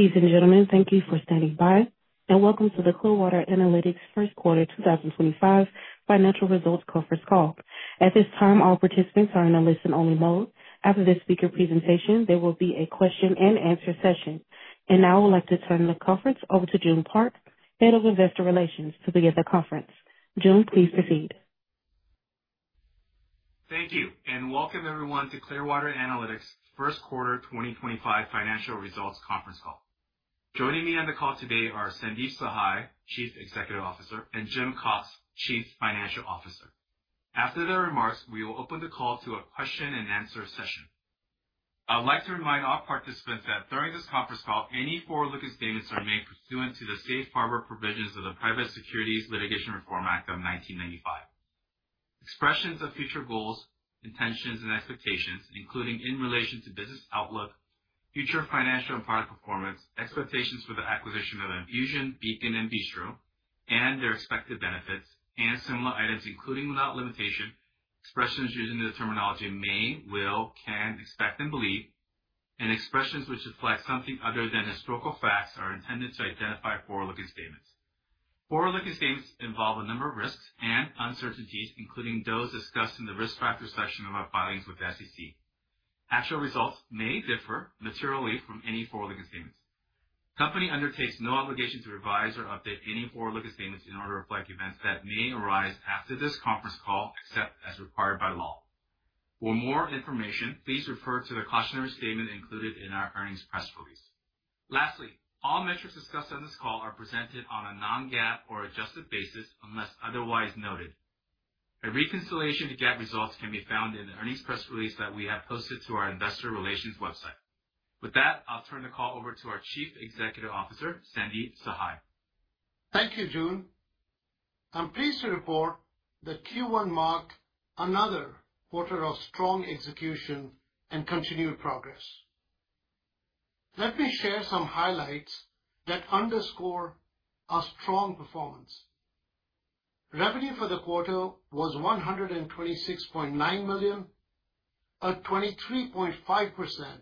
Ladies and gentlemen, thank you for standing by, and welcome to the Clearwater analytics first quarter 2025 financial results conference call. At this time, all participants are in a listen-only mode. After this speaker presentation, there will be a question-and-answer session. I would like to turn the conference over to Joon Park, Head of Investor Relations, to begin the conference. June, please proceed. Thank you, and welcome everyone to Clearwater analytics first quarter 2025 financial results conference call. Joining me on the call today are Sandeep Sahai, Chief Executive Officer, and Jim Cox, Chief Financial Officer. After their remarks, we will open the call to a question-and-answer session. I would like to remind all participants that during this conference call, any forward-looking statements are made pursuant to the safe harbor provisions of the Private Securities Litigation Reform Act of 1995. Expressions of future goals, intentions, and expectations, including in relation to business outlook, future financial and product performance, expectations for the acquisition of Enfusion, Beacon, and Bistro, and their expected benefits, and similar items including without limitation, expressions using the terminology may, will, can, expect, and believe, and expressions which reflect something other than historical facts are intended to identify forward-looking statements. Forward-looking statements involve a number of risks and uncertainties, including those discussed in the risk factor section of our filings with the SEC. Actual results may differ materially from any forward-looking statements. The company undertakes no obligation to revise or update any forward-looking statements in order to reflect events that may arise after this conference call, except as required by law. For more information, please refer to the cautionary statement included in our earnings press release. Lastly, all metrics discussed on this call are presented on a non-GAAP or adjusted basis unless otherwise noted. A reconciliation to GAAP results can be found in the earnings press release that we have posted to our Investor Relations website. With that, I'll turn the call over to our Chief Executive Officer, Sandeep Sahai. Thank you, Joon. I'm pleased to report that Q1 marked another quarter of strong execution and continued progress. Let me share some highlights that underscore our strong performance. Revenue for the quarter was $126.9 million, a 23.5%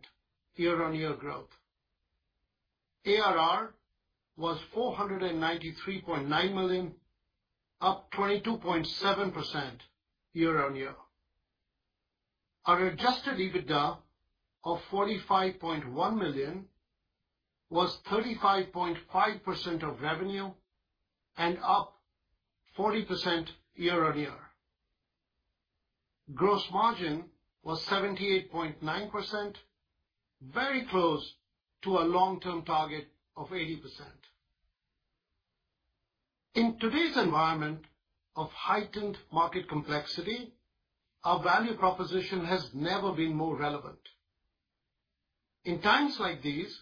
year-on-year growth. ARR was $493.9 million, up 22.7% year-on-year. Our adjusted EBITDA of $45.1 million was 35.5% of revenue and up 40% year-on-year. Gross margin was 78.9%, very close to our long-term target of 80%. In today's environment of heightened market complexity, our value proposition has never been more relevant. In times like these,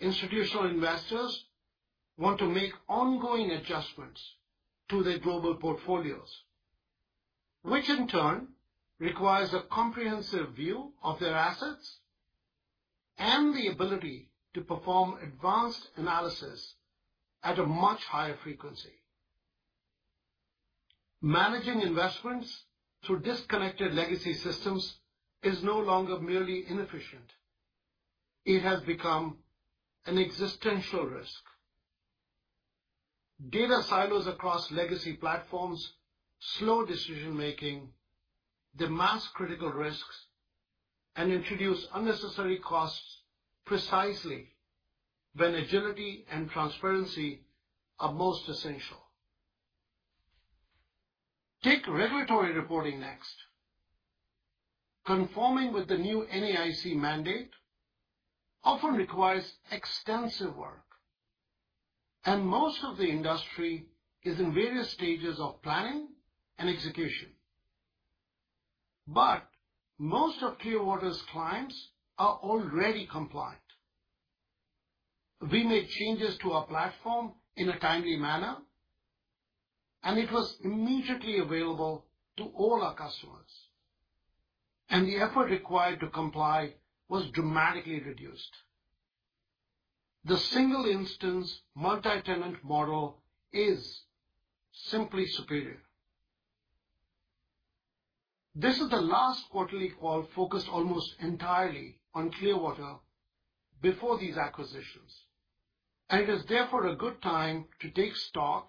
institutional investors want to make ongoing adjustments to their global portfolios, which in turn requires a comprehensive view of their assets and the ability to perform advanced analysis at a much higher frequency. Managing investments through disconnected legacy systems is no longer merely inefficient; it has become an existential risk. Data silos across legacy platforms slow decision-making, demand critical risks, and introduce unnecessary costs precisely when agility and transparency are most essential. Take regulatory reporting next. Conforming with the new NAIC mandate often requires extensive work, and most of the industry is in various stages of planning and execution. Most of Clearwater's clients are already compliant. We made changes to our platform in a timely manner, and it was immediately available to all our customers, and the effort required to comply was dramatically reduced. The single-instance multi-tenant model is simply superior. This is the last quarterly call focused almost entirely on Clearwater before these acquisitions, and it is therefore a good time to take stock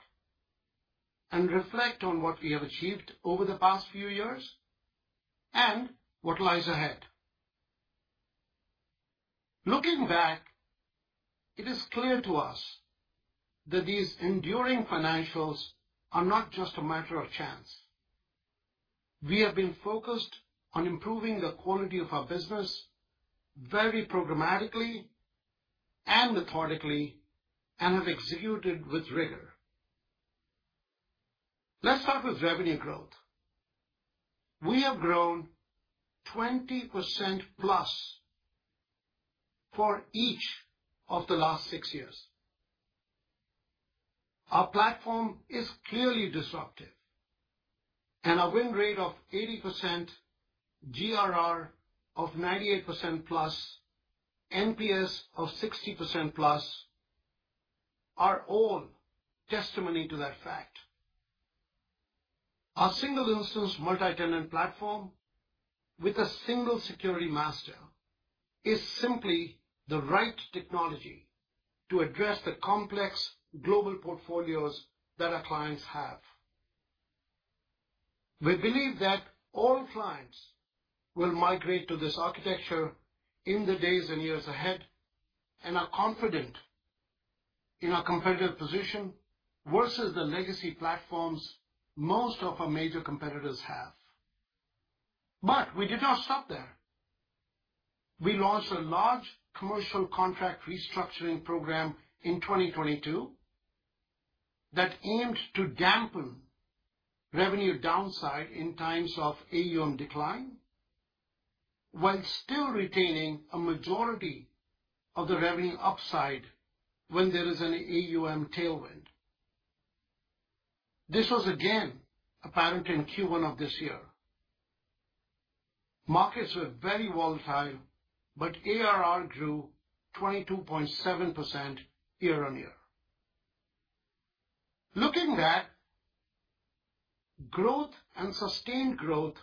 and reflect on what we have achieved over the past few years and what lies ahead. Looking back, it is clear to us that these enduring financials are not just a matter of chance. We have been focused on improving the quality of our business very programmatically and methodically and have executed with rigor. Let's start with revenue growth. We have grown 20%+ for each of the last six years. Our platform is clearly disruptive, and our win rate of 80%, GRR of 98%+, NPS of 60%+ are all testimony to that fact. Our single-instance multi-tenant platform with a single security master is simply the right technology to address the complex global portfolios that our clients have. We believe that all clients will migrate to this architecture in the days and years ahead and are confident in our competitive position versus the legacy platforms most of our major competitors have. We did not stop there. We launched a large commercial contract restructuring program in 2022 that aimed to dampen revenue downside in times of AUM decline while still retaining a majority of the revenue upside when there is an AUM tailwind. This was again apparent in Q1 of this year. Markets were very volatile, but ARR grew 22.7% year-on-year. Looking back, growth and sustained growth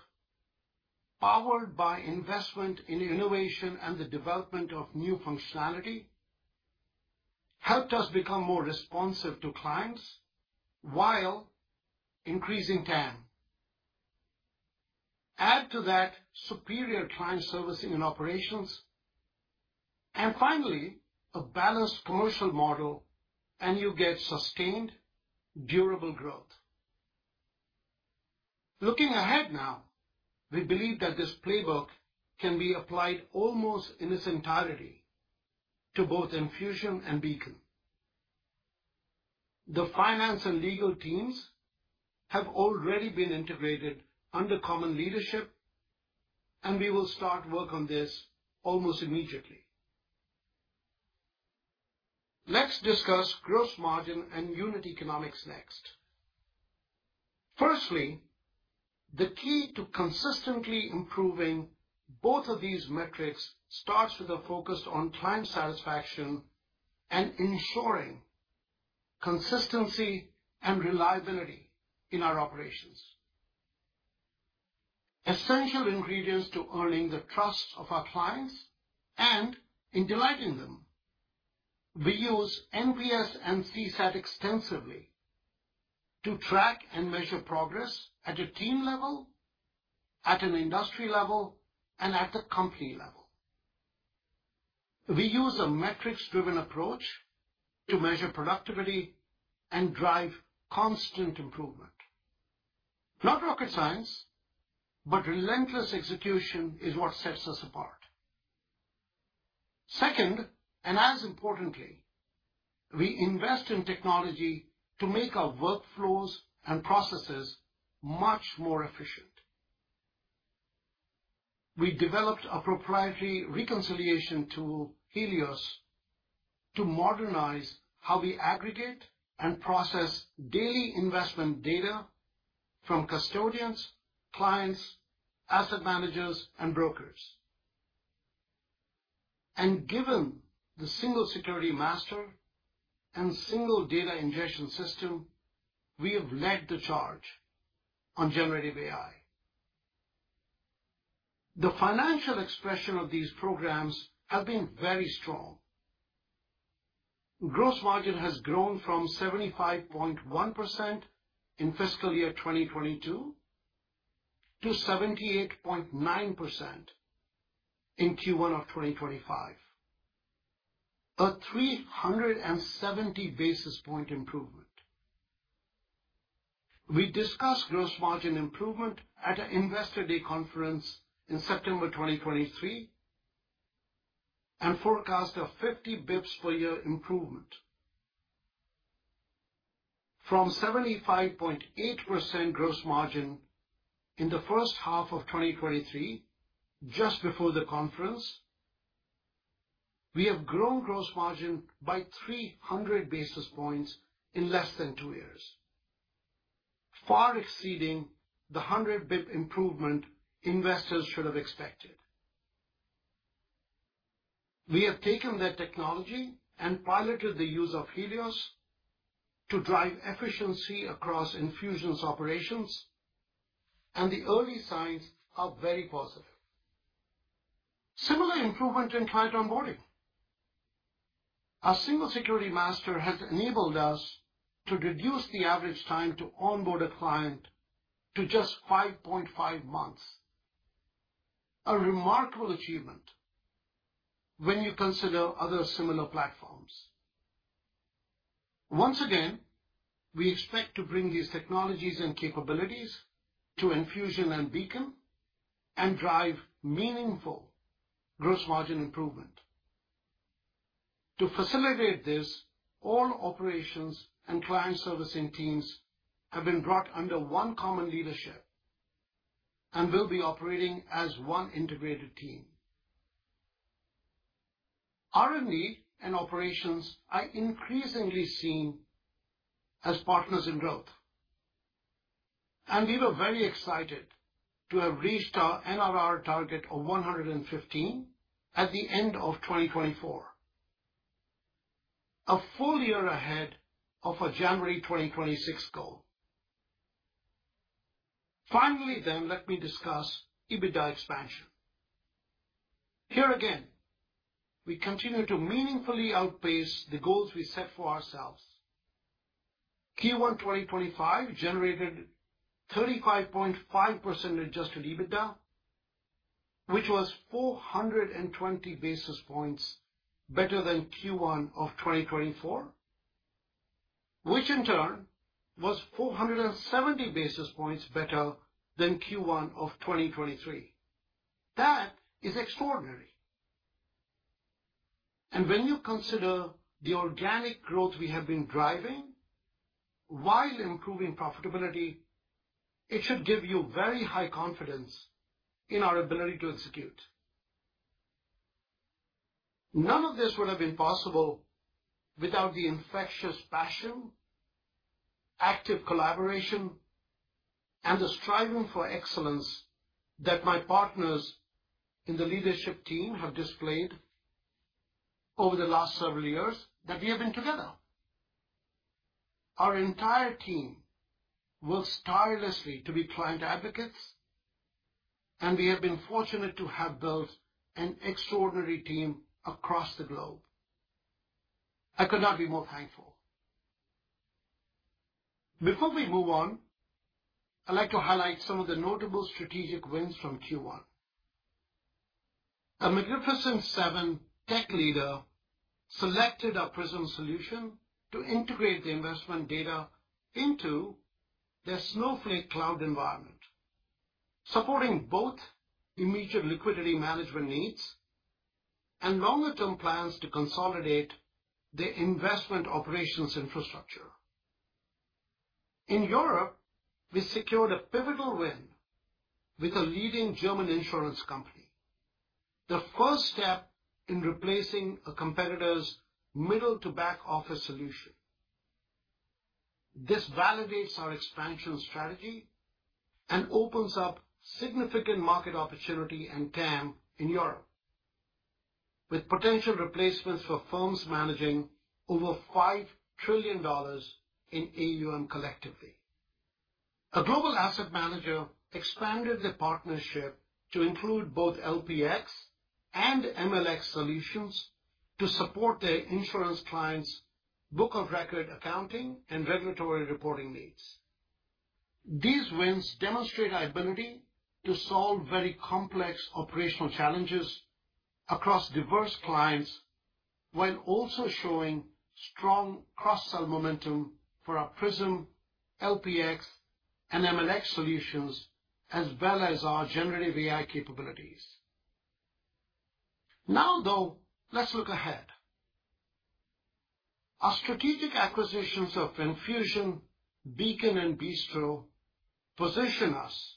powered by investment in innovation and the development of new functionality helped us become more responsive to clients while increasing TAM. Add to that superior client servicing and operations, and finally, a balanced commercial model, and you get sustained, durable growth. Looking ahead now, we believe that this playbook can be applied almost in its entirety to both Enfusion and Beacon. The finance and legal teams have already been integrated under common leadership, and we will start work on this almost immediately. Let's discuss gross margin and unit economics next. Firstly, the key to consistently improving both of these metrics starts with a focus on client satisfaction and ensuring consistency and reliability in our operations. Essential ingredients to earning the trust of our clients and in delighting them. We use NPS and CSAT extensively to track and measure progress at a team level, at an industry level, and at the company level. We use a metrics-driven approach to measure productivity and drive constant improvement. Not rocket science, but relentless execution is what sets us apart. Second, and as importantly, we invest in technology to make our workflows and processes much more efficient. We developed a proprietary reconciliation tool, Helios, to modernize how we aggregate and process daily investment data from custodians, clients, asset managers, and brokers. Given the single security master and single data ingestion system, we have led the charge on generative AI. The financial expression of these programs has been very strong. Gross margin has grown from 75.1% in fiscal year 2022 to 78.9% in Q1 of 2025, a 370 basis point improvement. We discussed gross margin improvement at an Investor Day Conference in September 2023 and forecast a 50 basis point per year improvement. From 75.8% gross margin in the first half of 2023, just before the conference, we have grown gross margin by 300 basis points in less than two years, far exceeding the 100 basis point improvement investors should have expected. We have taken that technology and piloted the use of Helios to drive efficiency across Enfusion's operations, and the early signs are very positive. Similar improvement in client onboarding. Our single security master has enabled us to reduce the average time to onboard a client to just 5.5 months, a remarkable achievement when you consider other similar platforms. Once again, we expect to bring these technologies and capabilities to Enfusion and Beacon and drive meaningful gross margin improvement. To facilitate this, all operations and client servicing teams have been brought under one common leadership and will be operating as one integrated team. R&D and operations are increasingly seen as partners in growth, and we were very excited to have reached our NRR target of 115 at the end of 2024, a full year ahead of our January 2026 goal. Finally then, let me discuss EBITDA expansion. Here again, we continue to meaningfully outpace the goals we set for ourselves. Q1 2025 generated 35.5% adjusted EBITDA, which was 420 basis points better than Q1 of 2024, which in turn was 470 basis points better than Q1 of 2023. That is extraordinary. When you consider the organic growth we have been driving while improving profitability, it should give you very high confidence in our ability to execute. None of this would have been possible without the infectious passion, active collaboration, and the striving for excellence that my partners in the leadership team have displayed over the last several years that we have been together. Our entire team works tirelessly to be client advocates, and we have been fortunate to have built an extraordinary team across the globe. I could not be more thankful. Before we move on, I'd like to highlight some of the notable strategic wins from Q1. A magnificent seven tech leader selected our Prism solution to integrate the investment data into their Snowflake cloud environment, supporting both immediate liquidity management needs and longer-term plans to consolidate their investment operations infrastructure. In Europe, we secured a pivotal win with a leading German insurance company, the first step in replacing a competitor's middle-to-back office solution. This validates our expansion strategy and opens up significant market opportunity and TAM in Europe, with potential replacements for firms managing over $5 trillion in AUM collectively. A global asset manager expanded the partnership to include both LPx and MLx solutions to support their insurance clients' book of record accounting and regulatory reporting needs. These wins demonstrate our ability to solve very complex operational challenges across diverse clients while also showing strong cross-sell momentum for our Prism, LPx, and MLx solutions, as well as our generative AI capabilities. Now, though, let's look ahead. Our strategic acquisitions of Enfusion, Beacon, and Bistro position us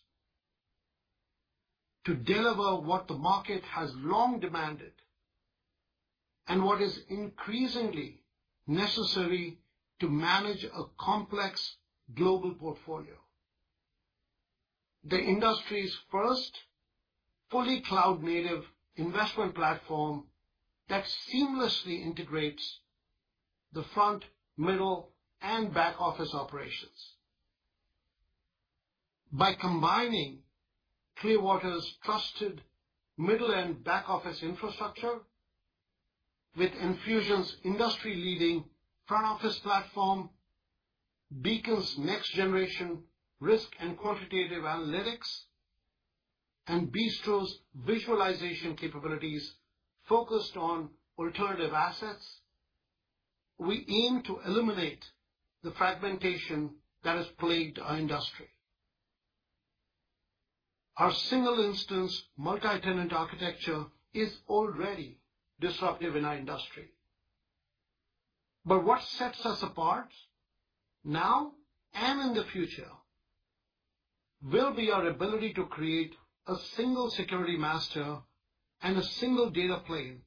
to deliver what the market has long demanded and what is increasingly necessary to manage a complex global portfolio: the industry's first fully cloud-native investment platform that seamlessly integrates the front, middle, and back office operations. By combining Clearwater's trusted middle-end back office infrastructure with Enfusion's industry-leading front office platform, Beacon's next-generation risk and quantitative analytics, and Bistro's visualization capabilities focused on alternative assets, we aim to eliminate the fragmentation that has plagued our industry. Our single-instance multi-tenant architecture is already disruptive in our industry. What sets us apart now and in the future will be our ability to create a single security master and a single data plane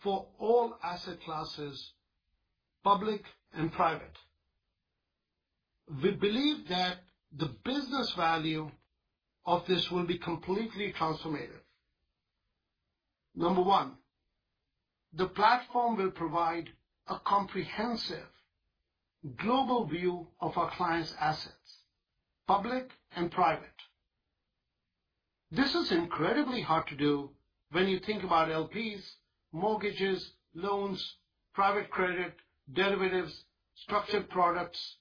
for all asset classes, public and private. We believe that the business value of this will be completely transformative. Number one, the platform will provide a comprehensive global view of our clients' assets, public and private. This is incredibly hard to do when you think about LPs, mortgages, loans, private credit, derivatives, structured products,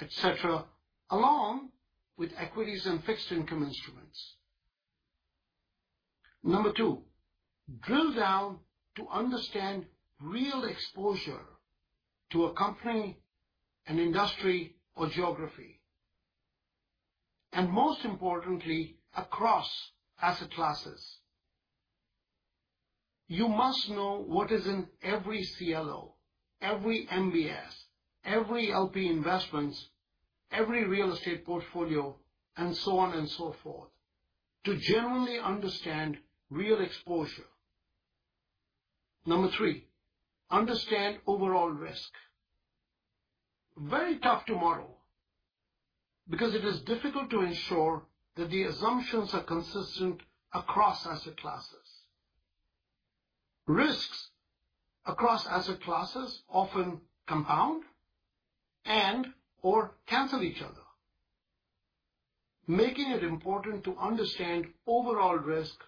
etc., along with equities and fixed income instruments. Number two, drill down to understand real exposure to a company, an industry, or geography, and most importantly, across asset classes. You must know what is in every CLO, every MBS, every LP investment, every real estate portfolio, and so on and so forth to genuinely understand real exposure. Number three, understand overall risk. Very tough tomorrow because it is difficult to ensure that the assumptions are consistent across asset classes. Risks across asset classes often compound and/or cancel each other, making it important to understand overall risk,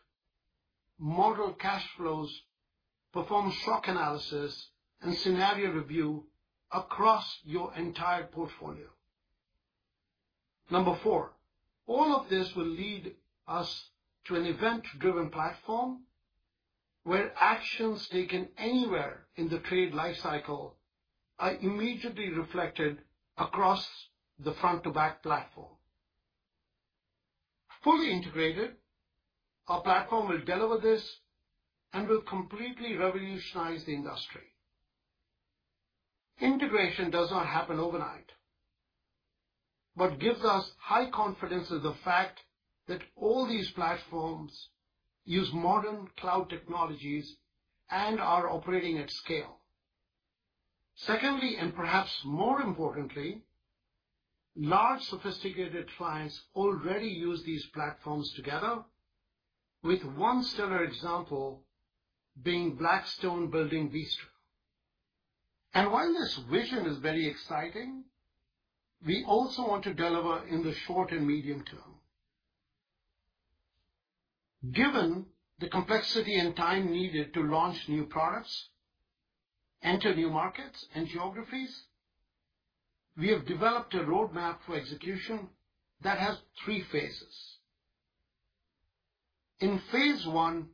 model cash flows, perform shock analysis, and scenario review across your entire portfolio. Number four, all of this will lead us to an event-driven platform where actions taken anywhere in the trade lifecycle are immediately reflected across the front-to-back platform. Fully integrated, our platform will deliver this and will completely revolutionize the industry. Integration does not happen overnight, but gives us high confidence in the fact that all these platforms use modern cloud technologies and are operating at scale. Secondly, and perhaps more importantly, large, sophisticated clients already use these platforms together, with one stellar example being Blackstone building Bistro. While this vision is very exciting, we also want to deliver in the short and medium term. Given the complexity and time needed to launch new products, enter new markets and geographies, we have developed a roadmap for execution that has three phases. In phase one,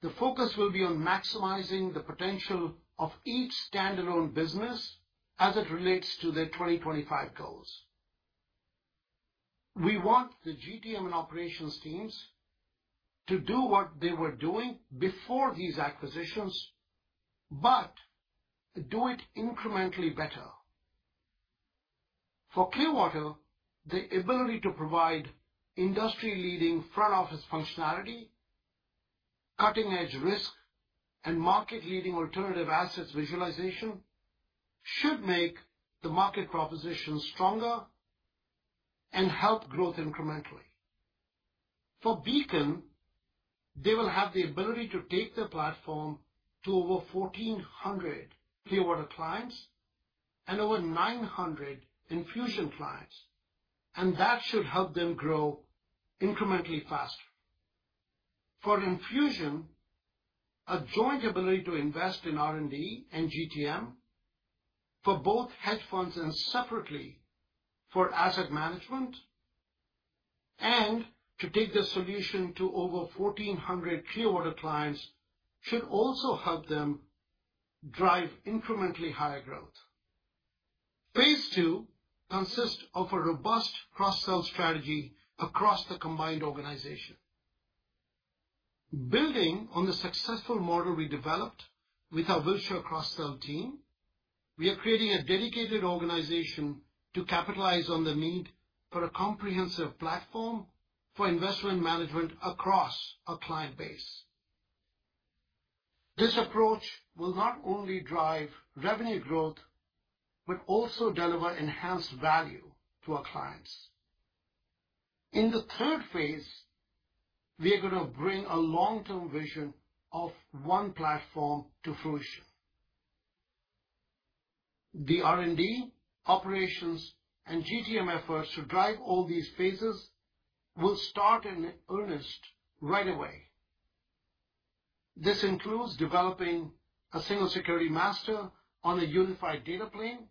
the focus will be on maximizing the potential of each standalone business as it relates to their 2025 goals. We want the GTM and operations teams to do what they were doing before these acquisitions, but do it incrementally better. For Clearwater, the ability to provide industry-leading front office functionality, cutting-edge risk, and market-leading alternative assets visualization should make the market propositions stronger and help growth incrementally. For Beacon, they will have the ability to take their platform to over 1,400 Clearwater clients and over 900 Enfusion clients, and that should help them grow incrementally faster. For Enfusion, a joint ability to invest in R&D and GTM for both hedge funds and separately for asset management and to take the solution to over 1,400 Clearwater clients should also help them drive incrementally higher growth. Phase two consists of a robust cross-sell strategy across the combined organization. Building on the successful model we developed with our Wilshire cross-sell team, we are creating a dedicated organization to capitalize on the need for a comprehensive platform for investment management across our client base. This approach will not only drive revenue growth, but also deliver enhanced value to our clients. In the third phase, we are going to bring a long-term vision of one platform to fruition. The R&D, operations, and GTM efforts to drive all these phases will start in earnest right away. This includes developing a single security master on a unified data plane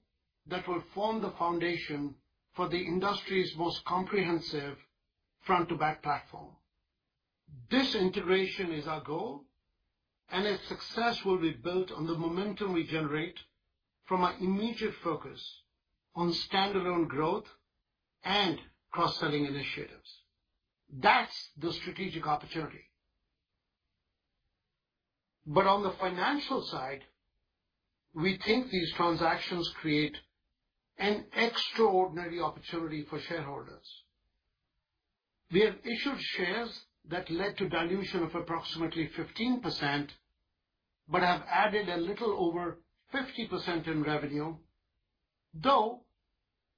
that will form the foundation for the industry's most comprehensive front-to-back platform. This integration is our goal, and its success will be built on the momentum we generate from our immediate focus on standalone growth and cross-selling initiatives. That's the strategic opportunity. On the financial side, we think these transactions create an extraordinary opportunity for shareholders. We have issued shares that led to dilution of approximately 15%, but have added a little over 50% in revenue, though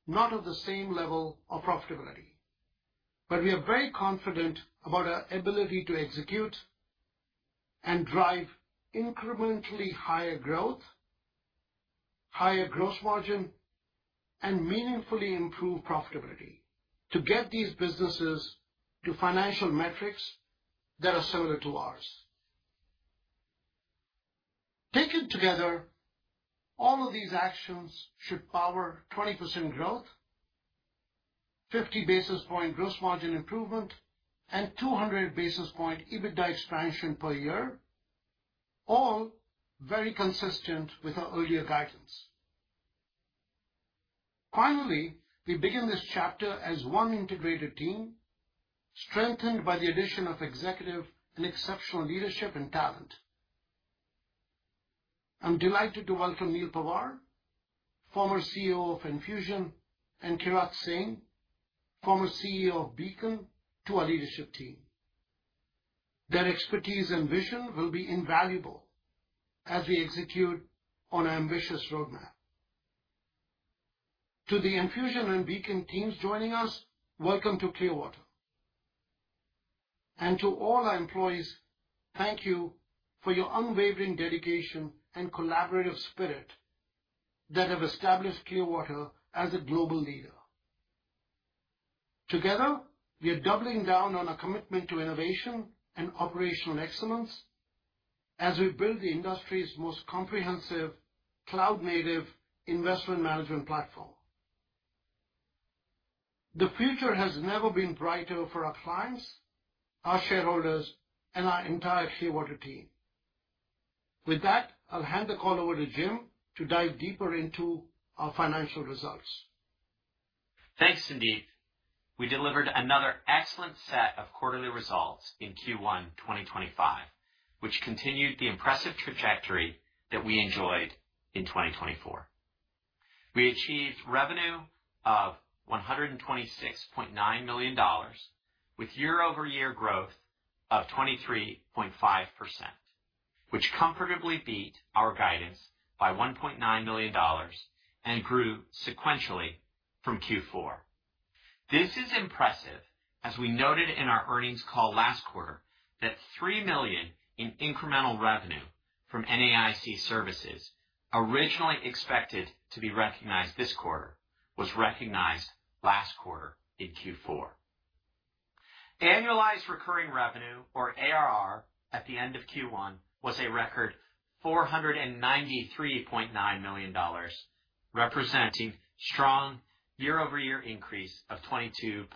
not at the same level of profitability. We are very confident about our ability to execute and drive incrementally higher growth, higher gross margin, and meaningfully improve profitability to get these businesses to financial metrics that are similar to ours. Taken together, all of these actions should power 20% growth, 50 basis point gross margin improvement, and 200 basis point EBITDA expansion per year, all very consistent with our earlier guidance. Finally, we begin this chapter as one integrated team, strengthened by the addition of executive and exceptional leadership and talent. I'm delighted to welcome Neal Pawar, former CEO of Enfusion, and Kirat Singh, former CEO of Beacon, to our leadership team. Their expertise and vision will be invaluable as we execute on an ambitious roadmap. To the Enfusion and Beacon teams joining us, welcome to Clearwater. To all our employees, thank you for your unwavering dedication and collaborative spirit that have established Clearwater as a global leader. Together, we are doubling down on our commitment to innovation and operational excellence as we build the industry's most comprehensive cloud-native investment management platform. The future has never been brighter for our clients, our shareholders, and our entire Clearwater team. With that, I'll hand the call over to Jim to dive deeper into our financial results. Thanks, Sandeep. We delivered another excellent set of quarterly results in Q1 2025, which continued the impressive trajectory that we enjoyed in 2024. We achieved revenue of $126.9 million, with year-over-year growth of 23.5%, which comfortably beat our guidance by $1.9 million and grew sequentially from Q4. This is impressive as we noted in our earnings call last quarter that $3 million in incremental revenue from NAIC services, originally expected to be recognized this quarter, was recognized last quarter in Q4. Annualized recurring revenue, or ARR, at the end of Q1 was a record $493.9 million, representing a strong year-over-year increase of 22.7%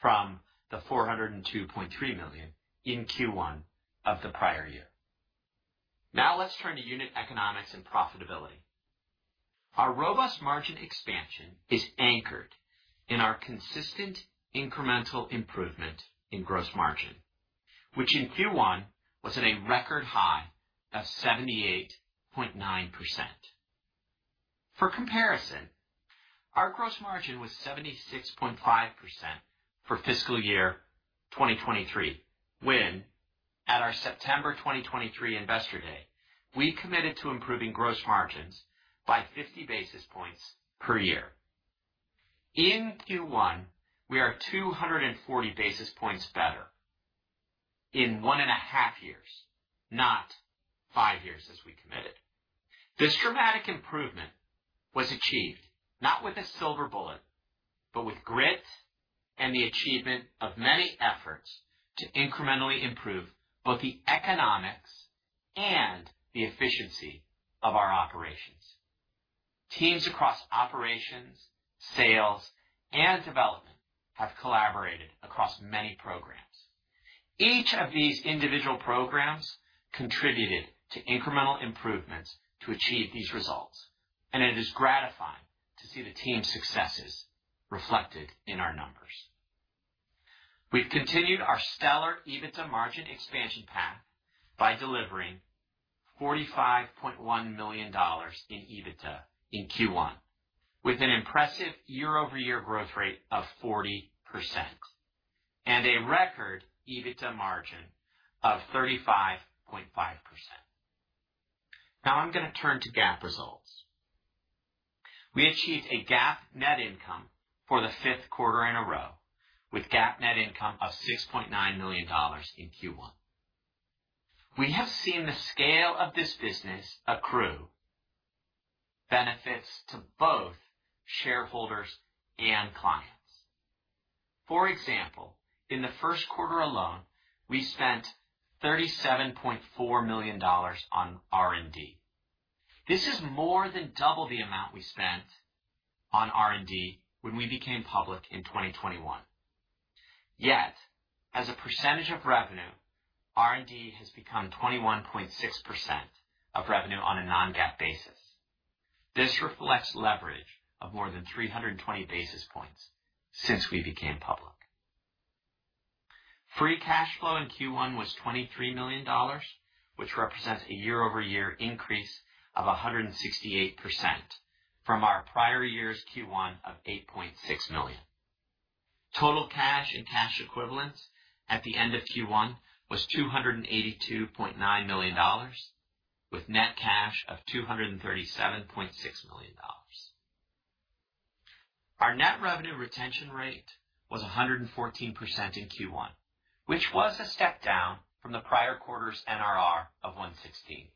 from the $402.3 million in Q1 of the prior year. Now let's turn to unit economics and profitability. Our robust margin expansion is anchored in our consistent incremental improvement in gross margin, which in Q1 was at a record high of 78.9%. For comparison, our gross margin was 76.5% for fiscal year 2023 when, at our September 2023 Investor Day, we committed to improving gross margins by 50 basis points per year. In Q1, we are 240 basis points better in one and a half years, not five years as we committed. This dramatic improvement was achieved not with a silver bullet, but with grit and the achievement of many efforts to incrementally improve both the economics and the efficiency of our operations. Teams across operations, sales, and development have collaborated across many programs. Each of these individual programs contributed to incremental improvements to achieve these results, and it is gratifying to see the team's successes reflected in our numbers. We've continued our stellar EBITDA margin expansion path by delivering $45.1 million in EBITDA in Q1, with an impressive year-over-year growth rate of 40% and a record EBITDA margin of 35.5%. Now I'm going to turn to GAAP results. We achieved a GAAP net income for the fifth quarter in a row, with GAAP net income of $6.9 million in Q1. We have seen the scale of this business accrue benefits to both shareholders and clients. For example, in the first quarter alone, we spent $37.4 million on R&D. This is more than double the amount we spent on R&D when we became public in 2021. Yet, as a percentage of revenue, R&D has become 21.6% of revenue on a non-GAAP basis. This reflects leverage of more than 320 basis points since we became public. Free cash flow in Q1 was $23 million, which represents a year-over-year increase of 168% from our prior year's Q1 of $8.6 million. Total cash and cash equivalents at the end of Q1 was $282.9 million, with net cash of $237.6 million. Our net revenue retention rate was 114% in Q1, which was a step down from the prior quarter's NRR of 116,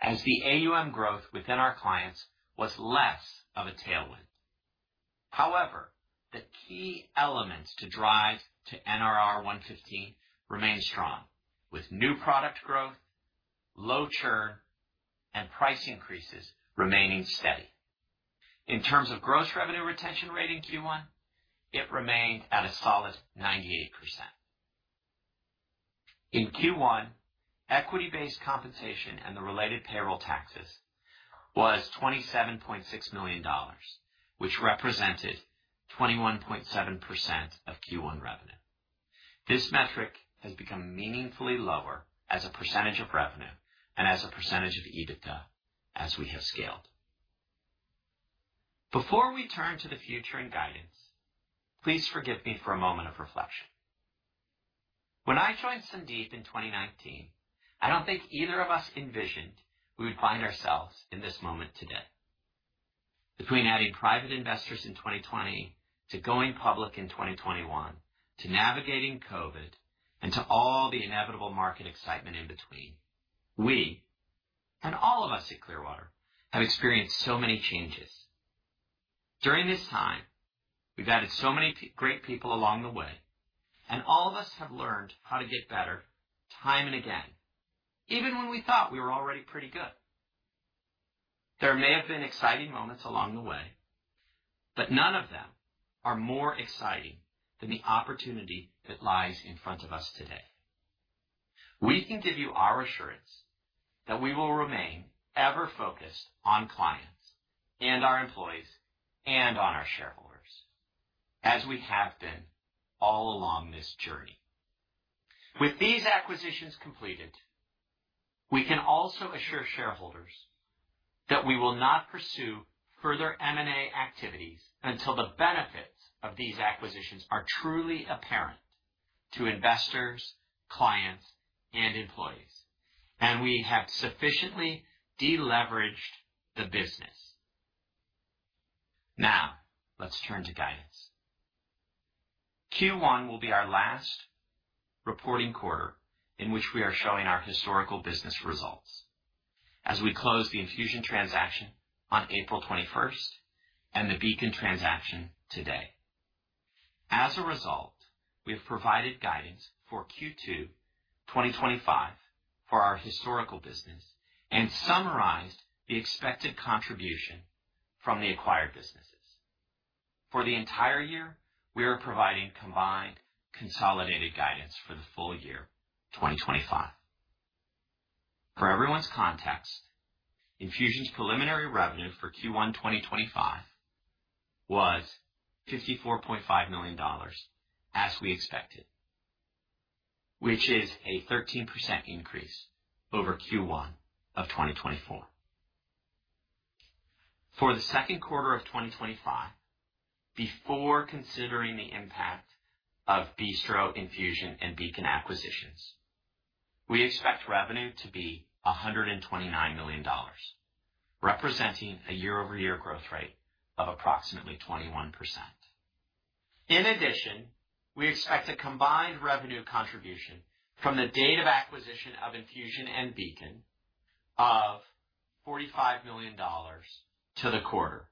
as the AUM growth within our clients was less of a tailwind. However, the key elements to drive to NRR 115 remain strong, with new product growth, low churn, and price increases remaining steady. In terms of gross revenue retention rate in Q1, it remained at a solid 98%. In Q1, equity-based compensation and the related payroll taxes was $27.6 million, which represented 21.7% of Q1 revenue. This metric has become meaningfully lower as a percentage of revenue and as a percentage of EBITDA as we have scaled. Before we turn to the future and guidance, please forgive me for a moment of reflection. When I joined Sandeep in 2019, I do not think either of us envisioned we would find ourselves in this moment today. Between adding private investors in 2020 to going public in 2021, to navigating COVID, and to all the inevitable market excitement in between, we—and all of us at Clearwater—have experienced so many changes. During this time, we've added so many great people along the way, and all of us have learned how to get better time and again, even when we thought we were already pretty good. There may have been exciting moments along the way, but none of them are more exciting than the opportunity that lies in front of us today. We can give you our assurance that we will remain ever focused on clients and our employees and on our shareholders, as we have been all along this journey. With these acquisitions completed, we can also assure shareholders that we will not pursue further M&A activities until the benefits of these acquisitions are truly apparent to investors, clients, and employees, and we have sufficiently deleveraged the business. Now let's turn to guidance. Q1 will be our last reporting quarter in which we are showing our historical business results, as we close the Enfusion transaction on April 21st and the Beacon transaction today. As a result, we have provided guidance for Q2 2025 for our historical business and summarized the expected contribution from the acquired businesses. For the entire year, we are providing combined consolidated guidance for the full year 2025. For everyone's context, Enfusion's preliminary revenue for Q1 2025 was $54.5 million, as we expected, which is a 13% increase over Q1 of 2024. For the second quarter of 2025, before considering the impact of Bistro, Enfusion, and Beacon acquisitions, we expect revenue to be $129 million, representing a year-over-year growth rate of approximately 21%. In addition, we expect a combined revenue contribution from the date of acquisition of Enfusion and Beacon of $45 million to the quarter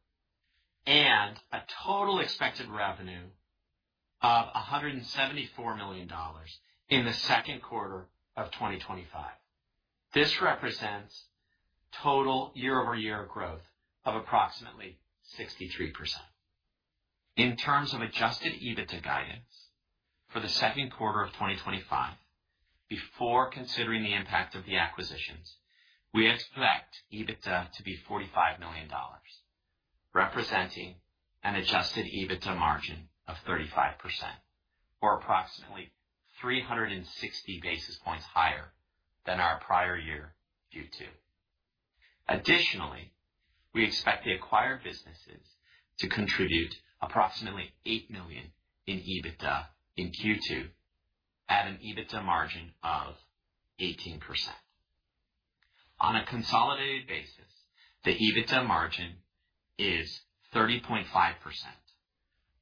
and a total expected revenue of $174 million in the second quarter of 2025. This represents total year-over-year growth of approximately 63%. In terms of adjusted EBITDA guidance for the second quarter of 2025, before considering the impact of the acquisitions, we expect EBITDA to be $45 million, representing an adjusted EBITDA margin of 35%, or approximately 360 basis points higher than our prior year Q2. Additionally, we expect the acquired businesses to contribute approximately $8 million in EBITDA in Q2 at an EBITDA margin of 18%. On a consolidated basis, the EBITDA margin is 30.5%,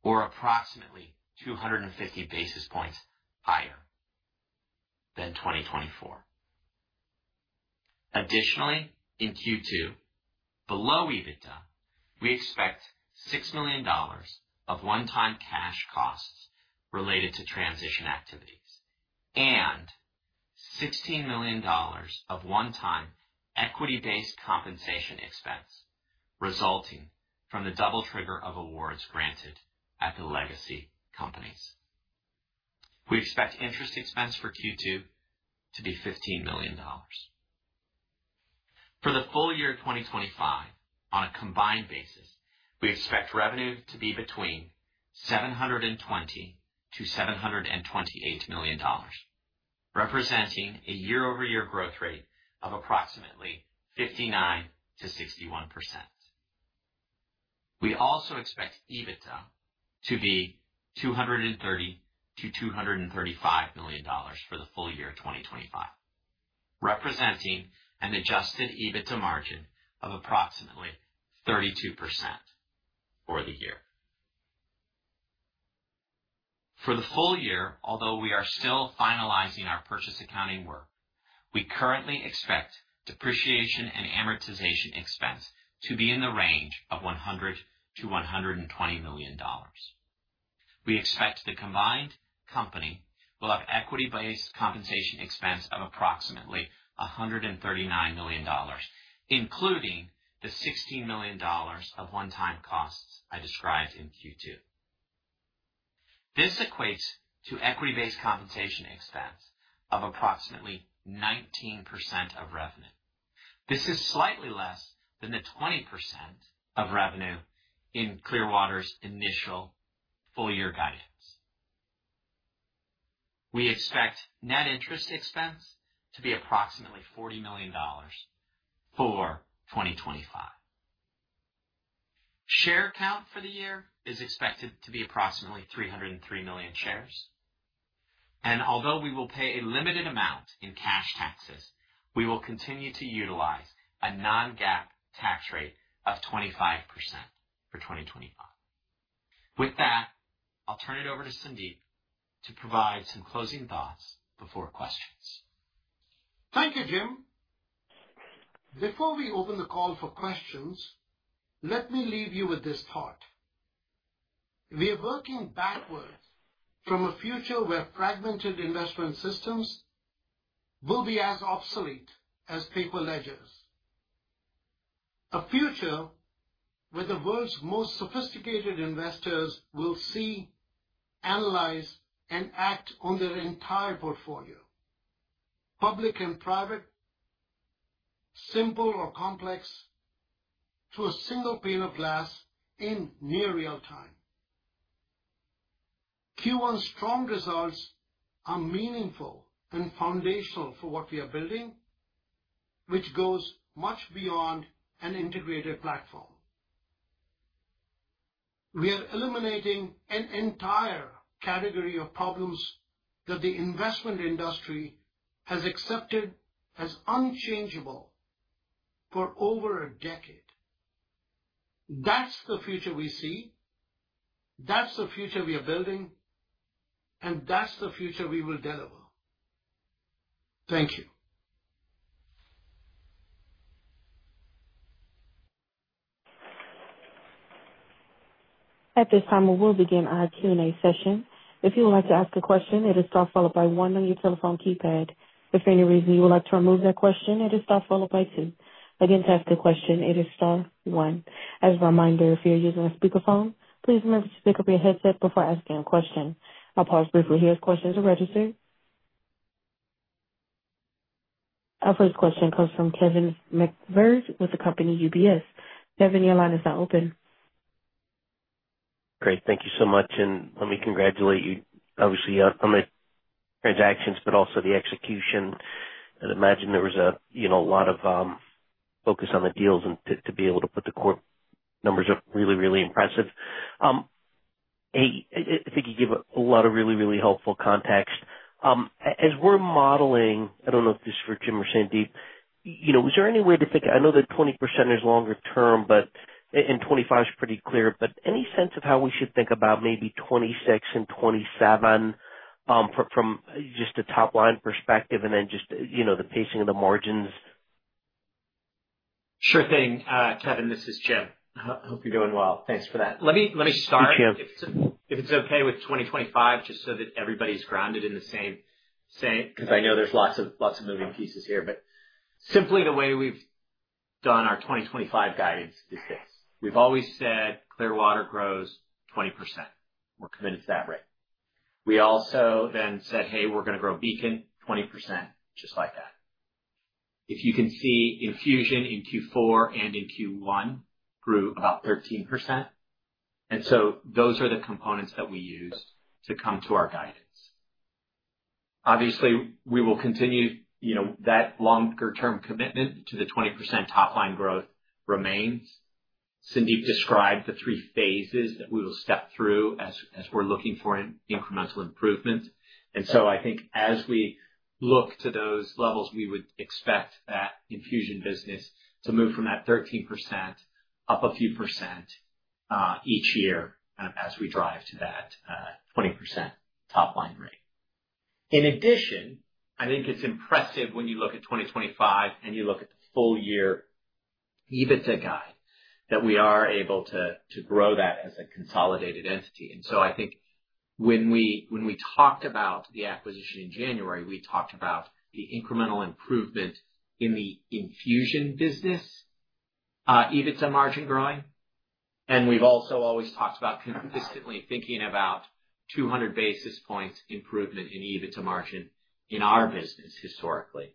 or approximately 250 basis points higher than 2024. Additionally, in Q2, below EBITDA, we expect $6 million of one-time cash costs related to transition activities and $16 million of one-time equity-based compensation expense resulting from the double trigger of awards granted at the legacy companies. We expect interest expense for Q2 to be $15 million. For the full year 2025, on a combined basis, we expect revenue to be between $720 million-$728 million, representing a year-over-year growth rate of approximately 59%-61%. We also expect EBITDA to be $230 million-$235 million for the full year 2025, representing an adjusted EBITDA margin of approximately 32% for the year. For the full year, although we are still finalizing our purchase accounting work, we currently expect depreciation and amortization expense to be in the range of $100 million-$120 million. We expect the combined company will have equity-based compensation expense of approximately $139 million, including the $16 million of one-time costs I described in Q2. This equates to equity-based compensation expense of approximately 19% of revenue. This is slightly less than the 20% of revenue in Clearwater's initial full-year guidance. We expect net interest expense to be approximately $40 million for 2025. Share count for the year is expected to be approximately 303 million shares. Although we will pay a limited amount in cash taxes, we will continue to utilize a non-GAAP tax rate of 25% for 2025. With that, I'll turn it over to Sandeep to provide some closing thoughts before questions. Thank you, Jim. Before we open the call for questions, let me leave you with this thought: we are working backwards from a future where fragmented investment systems will be as obsolete as paper ledgers. A future where the world's most sophisticated investors will see, analyze, and act on their entire portfolio—public and private, simple or complex, through a single pane of glass in near real time. Q1's strong results are meaningful and foundational for what we are building, which goes much beyond an integrated platform. We are eliminating an entire category of problems that the investment industry has accepted as unchangeable for over a decade. That is the future we see. That is the future we are building. That is the future we will deliver. Thank you. At this time, we will begin our Q&A session. If you would like to ask a question, it is star followed by one on your telephone keypad. If for any reason you would like to remove that question, it is star followed by two. Again, to ask a question, it is star one. As a reminder, if you're using a speakerphone, please remember to pick up your headset before asking a question. I'll pause briefly here as questions are registered. Our first question comes from Kevin McVeigh with the company UBS. Kevin, your line is now open. Great. Thank you so much. Let me congratulate you, obviously, on the transactions, but also the execution. I'd imagine there was a lot of focus on the deals, and to be able to put the corporate numbers up, really, really impressive. I think you gave a lot of really, really helpful context. As we're modeling—I don't know if this is for Jim or Sandeep—was there any way to think, I know that 20% is longer term, and 25% is pretty clear. Any sense of how we should think about maybe 2026 and 2027 from just a top-line perspective and then just the pacing of the margins? Sure thing. Kevin, this is Jim. Hope you're doing well. Thanks for that. Let me start. Hey, Jim. If it's okay with 2025, just so that everybody's grounded in the same—because I know there's lots of moving pieces here. Simply, the way we've done our 2025 guidance is this. We've always said Clearwater grows 20%. We're committed to that rate. We also then said, "Hey, we're going to grow Beacon 20%," just like that. If you can see, Enfusion in Q4 and in Q1 grew about 13%. Those are the components that we use to come to our guidance. Obviously, we will continue that longer-term commitment to the 20% top-line growth remains. Sandeep described the three phases that we will step through as we're looking for incremental improvement. I think as we look to those levels, we would expect that Enfusion business to move from that 13% up a few percent each year as we drive to that 20% top-line rate. In addition, I think it's impressive when you look at 2025 and you look at the full-year EBITDA guide that we are able to grow that as a consolidated entity. I think when we talked about the acquisition in January, we talked about the incremental improvement in the Enfusion business EBITDA margin growing. We've also always talked about consistently thinking about 200 basis points improvement in EBITDA margin in our business historically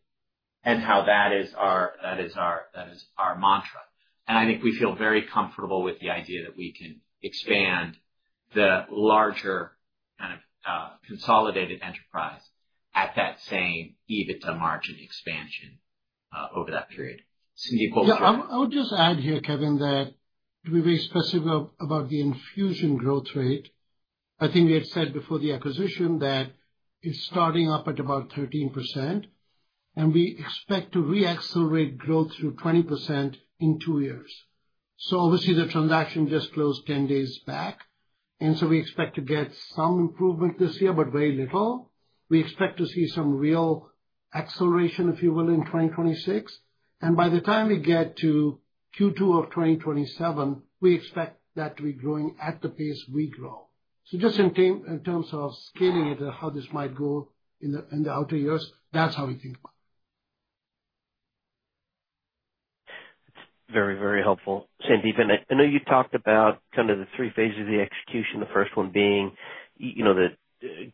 and how that is our mantra. I think we feel very comfortable with the idea that we can expand the larger kind of consolidated enterprise at that same EBITDA margin expansion over that period. Sandeep, what would you like? Yeah. I would just add here, Kevin, that to be very specific about the Enfusion growth rate, I think we had said before the acquisition that it's starting up at about 13%, and we expect to re-accelerate growth to 20% in two years. Obviously, the transaction just closed 10 days back. We expect to get some improvement this year, but very little. We expect to see some real acceleration, if you will, in 2026. By the time we get to Q2 of 2027, we expect that to be growing at the pace we grow. Just in terms of scaling it and how this might go in the outer years, that's how we think about it. That's very, very helpful. Sandeep, and I know you talked about kind of the three phases of the execution, the first one being the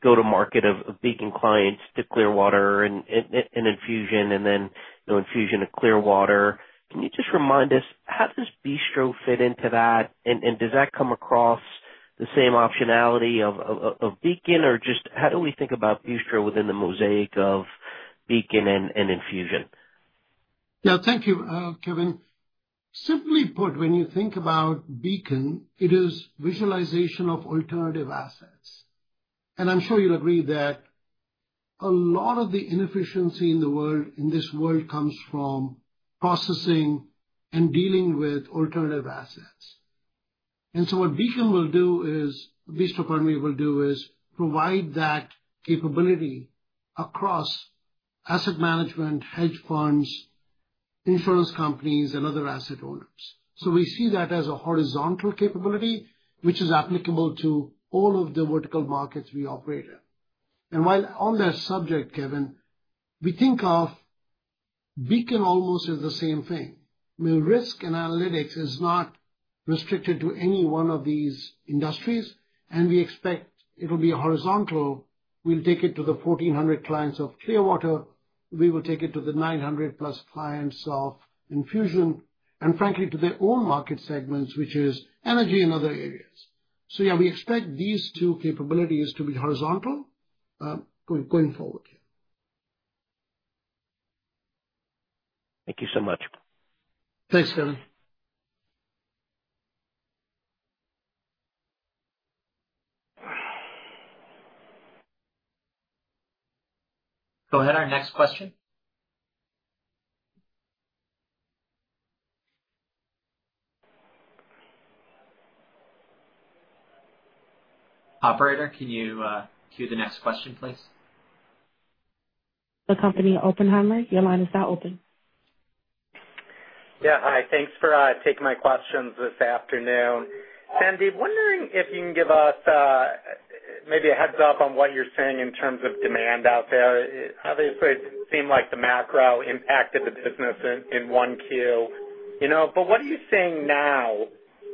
go-to-market of Beacon clients to Clearwater and Enfusion, and then Enfusion to Clearwater. Can you just remind us, how does Bistro fit into that? And does that come across the same optionality of Beacon? Or just how do we think about Bistro within the mosaic of Beacon and Enfusion? Yeah. Thank you, Kevin. Simply put, when you think about Beacon, it is visualization of alternative assets. And I'm sure you'll agree that a lot of the inefficiency in this world comes from processing and dealing with alternative assets. What Beacon will do is, Bistro, pardon me, will do is provide that capability across asset management, hedge funds, insurance companies, and other asset owners. We see that as a horizontal capability, which is applicable to all of the vertical markets we operate in. While on that subject, Kevin, we think of Beacon almost as the same thing. I mean, risk analytics is not restricted to any one of these industries. We expect it will be horizontal. We'll take it to the 1,400 clients of Clearwater. We will take it to the 900+ clients of Enfusion, and frankly, to their own market segments, which is energy and other areas. Yeah, we expect these two capabilities to be horizontal going forward here. Thank you so much. Thanks, Kevin. Go ahead, our next question. Operator, can you cue the next question, please? The company Oppenheimer. Your line is now open. Yeah. Hi. Thanks for taking my questions this afternoon. Sandeep, wondering if you can give us maybe a heads-up on what you're seeing in terms of demand out there. Obviously, it seemed like the macro impacted the business in Q1. What are you seeing now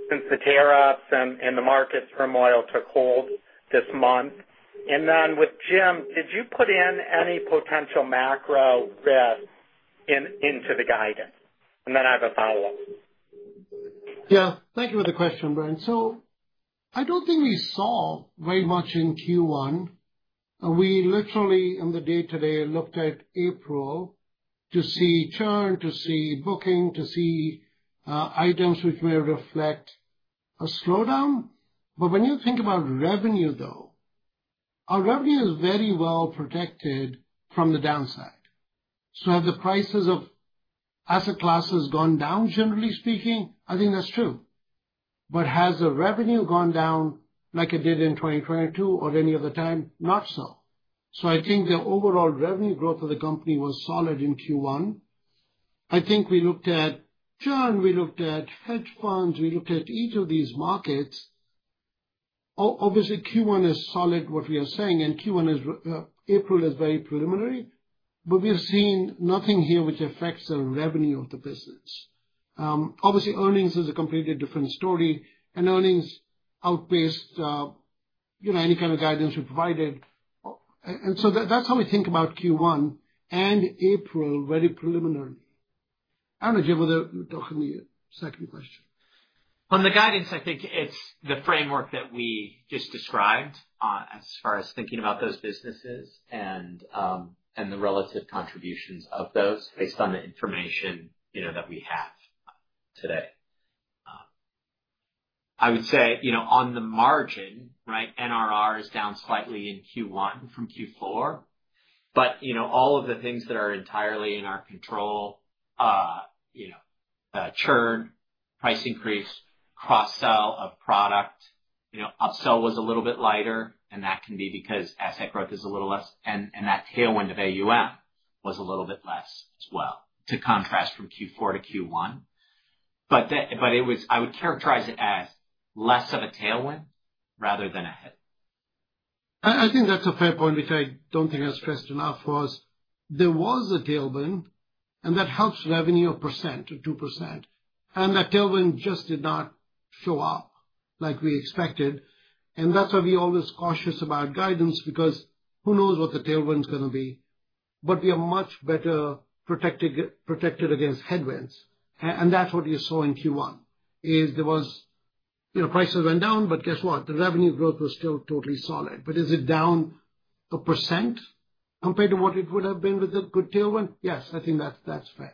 since the tariffs and the markets for oil took hold this month? With Jim, did you put in any potential macro risk into the guidance? I have a follow-up. Yeah. Thank you for the question, Brian. I don't think we saw very much in Q1. We literally, on the day today, looked at April to see churn, to see booking, to see items which may reflect a slowdown. When you think about revenue, though, our revenue is very well protected from the downside. Have the prices of asset classes gone down, generally speaking? I think that's true. Has the revenue gone down like it did in 2022 or any other time? Not so. I think the overall revenue growth of the company was solid in Q1. I think we looked at churn. We looked at hedge funds. We looked at each of these markets. Obviously, Q1 is solid, what we are saying. April is very preliminary. We have seen nothing here which affects the revenue of the business. Obviously, earnings is a completely different story. Earnings outpaced any kind of guidance we provided. That is how we think about Q1 and April, very preliminary. I do not know, Jim, whether you are talking to your second question. On the guidance, I think it's the framework that we just described as far as thinking about those businesses and the relative contributions of those based on the information that we have today. I would say on the margin, right, NRR is down slightly in Q1 from Q4. All of the things that are entirely in our control—churn, price increase, cross-sell of product—upsell was a little bit lighter. That can be because asset growth is a little less. That tailwind of AUM was a little bit less as well to contrast from Q4 to Q1. I would characterize it as less of a tailwind rather than a hit. I think that's a fair point, which I don't think I stressed enough was there was a tailwind, and that helps revenue a percent or 2%. That tailwind just did not show up like we expected. That is why we're always cautious about guidance because who knows what the tailwind's going to be. We are much better protected against headwinds. That is what you saw in Q1, is there was prices went down, but guess what? The revenue growth was still totally solid. Is it down a percent compared to what it would have been with a good tailwind? Yes, I think that's fair.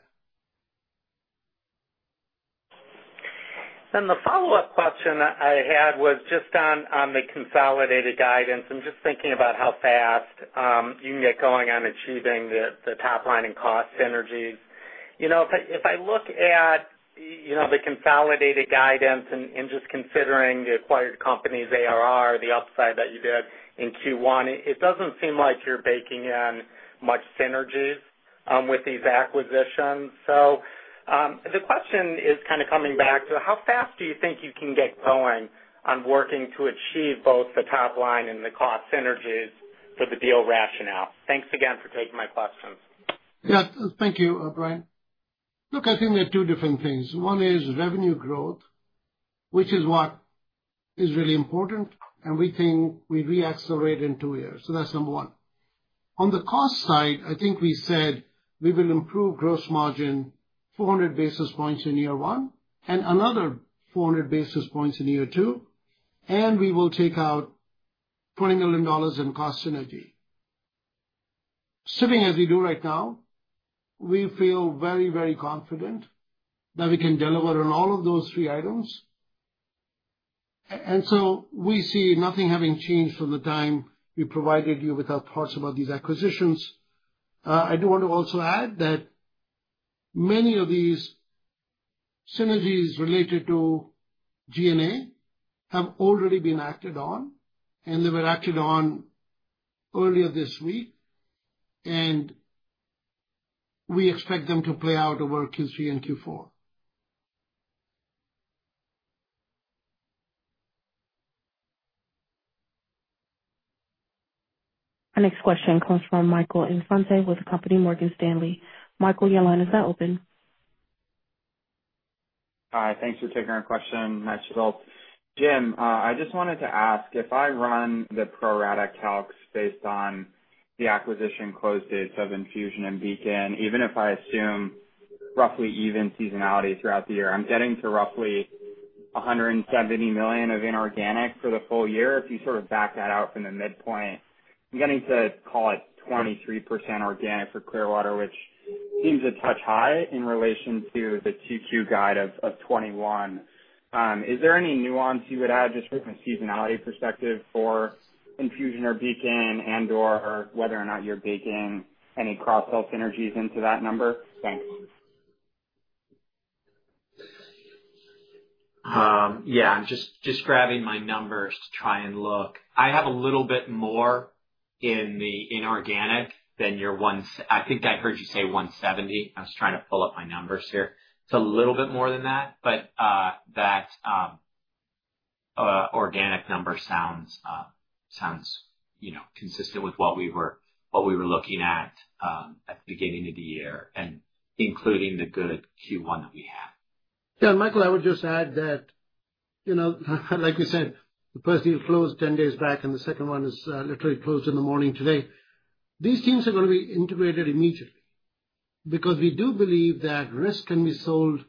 The follow-up question I had was just on the consolidated guidance. I'm just thinking about how fast you can get going on achieving the top-line and cost synergies. If I look at the consolidated guidance and just considering the acquired companies' ARR, the upside that you did in Q1, it doesn't seem like you're baking in much synergies with these acquisitions. The question is kind of coming back to how fast do you think you can get going on working to achieve both the top-line and the cost synergies for the deal rationale? Thanks again for taking my questions. Yeah. Thank you, Brian. Look, I think there are two different things. One is revenue growth, which is what is really important. We think we re-accelerate in two years. That is number one. On the cost side, I think we said we will improve gross margin 400 basis points in year one and another 400 basis points in year two. We will take out $20 million in cost synergy. Sitting as we do right now, we feel very, very confident that we can deliver on all of those three items. We see nothing having changed from the time we provided you with our thoughts about these acquisitions. I do want to also add that many of these synergies related to G&A have already been acted on. They were acted on earlier this week. We expect them to play out over Q3 and Q4. Our next question comes from Michael Infante with the company, Morgan Stanley. Michael, your line is now open. Hi. Thanks for taking our question. Nice result. Jim, I just wanted to ask, if I run the pro rata calcs based on the acquisition close dates of Enfusion and Beacon, even if I assume roughly even seasonality throughout the year, I'm getting to roughly $170 million of inorganic for the full year. If you sort of back that out from the midpoint, I'm getting to, call it, 23% organic for Clearwater, which seems a touch high in relation to the two-queue guide of 2021. Is there any nuance you would add just from a seasonality perspective for Enfusion or Beacon and/or whether or not you're baking any cross-sell synergies into that number? Thanks. Yeah. I'm just grabbing my numbers to try and look. I have a little bit more in the inorganic than your one—I think I heard you say $170. I was trying to pull up my numbers here. It's a little bit more than that. But that organic number sounds consistent with what we were looking at at the beginning of the year, including the good Q1 that we had. Yeah. Michael, I would just add that, like you said, the first deal closed 10 days back, and the second one is literally closed in the morning today. These teams are going to be integrated immediately because we do believe that risk can be sold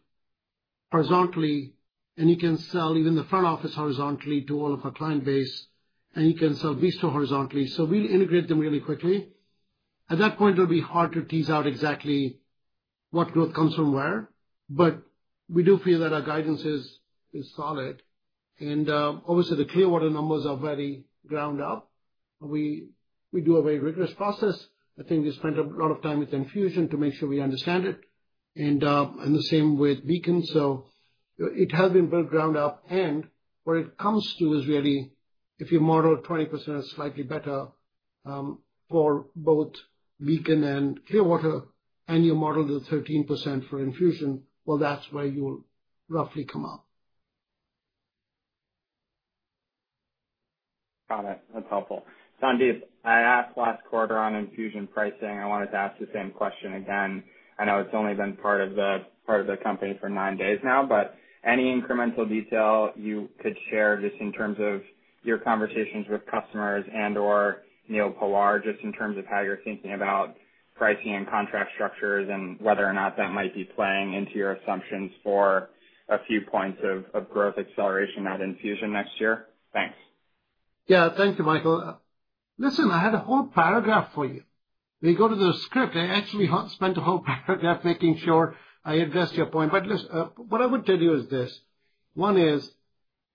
horizontally, and you can sell even the front office horizontally to all of our client base, and you can sell Bistro horizontally. We will integrate them really quickly. At that point, it will be hard to tease out exactly what growth comes from where. We do feel that our guidance is solid. Obviously, the Clearwater numbers are very ground up. We do a very rigorous process. I think we spent a lot of time with Enfusion to make sure we understand it. The same with Beacon. It has been very ground up. What it comes to is really, if you model 20% or slightly better for both Beacon and Clearwater, and you model the 13% for Enfusion, that's where you'll roughly come up. Got it. That's helpful. Sandeep, I asked last quarter on Enfusion pricing. I wanted to ask the same question again. I know it's only been part of the company for nine days now. Any incremental detail you could share just in terms of your conversations with customers and/or Neal Pawar just in terms of how you're thinking about pricing and contract structures and whether or not that might be playing into your assumptions for a few points of growth acceleration at Enfusion next year? Thanks. Yeah. Thank you, Michael. Listen, I had a whole paragraph for you. When you go to the script, I actually spent a whole paragraph making sure I addressed your point. What I would tell you is this: one is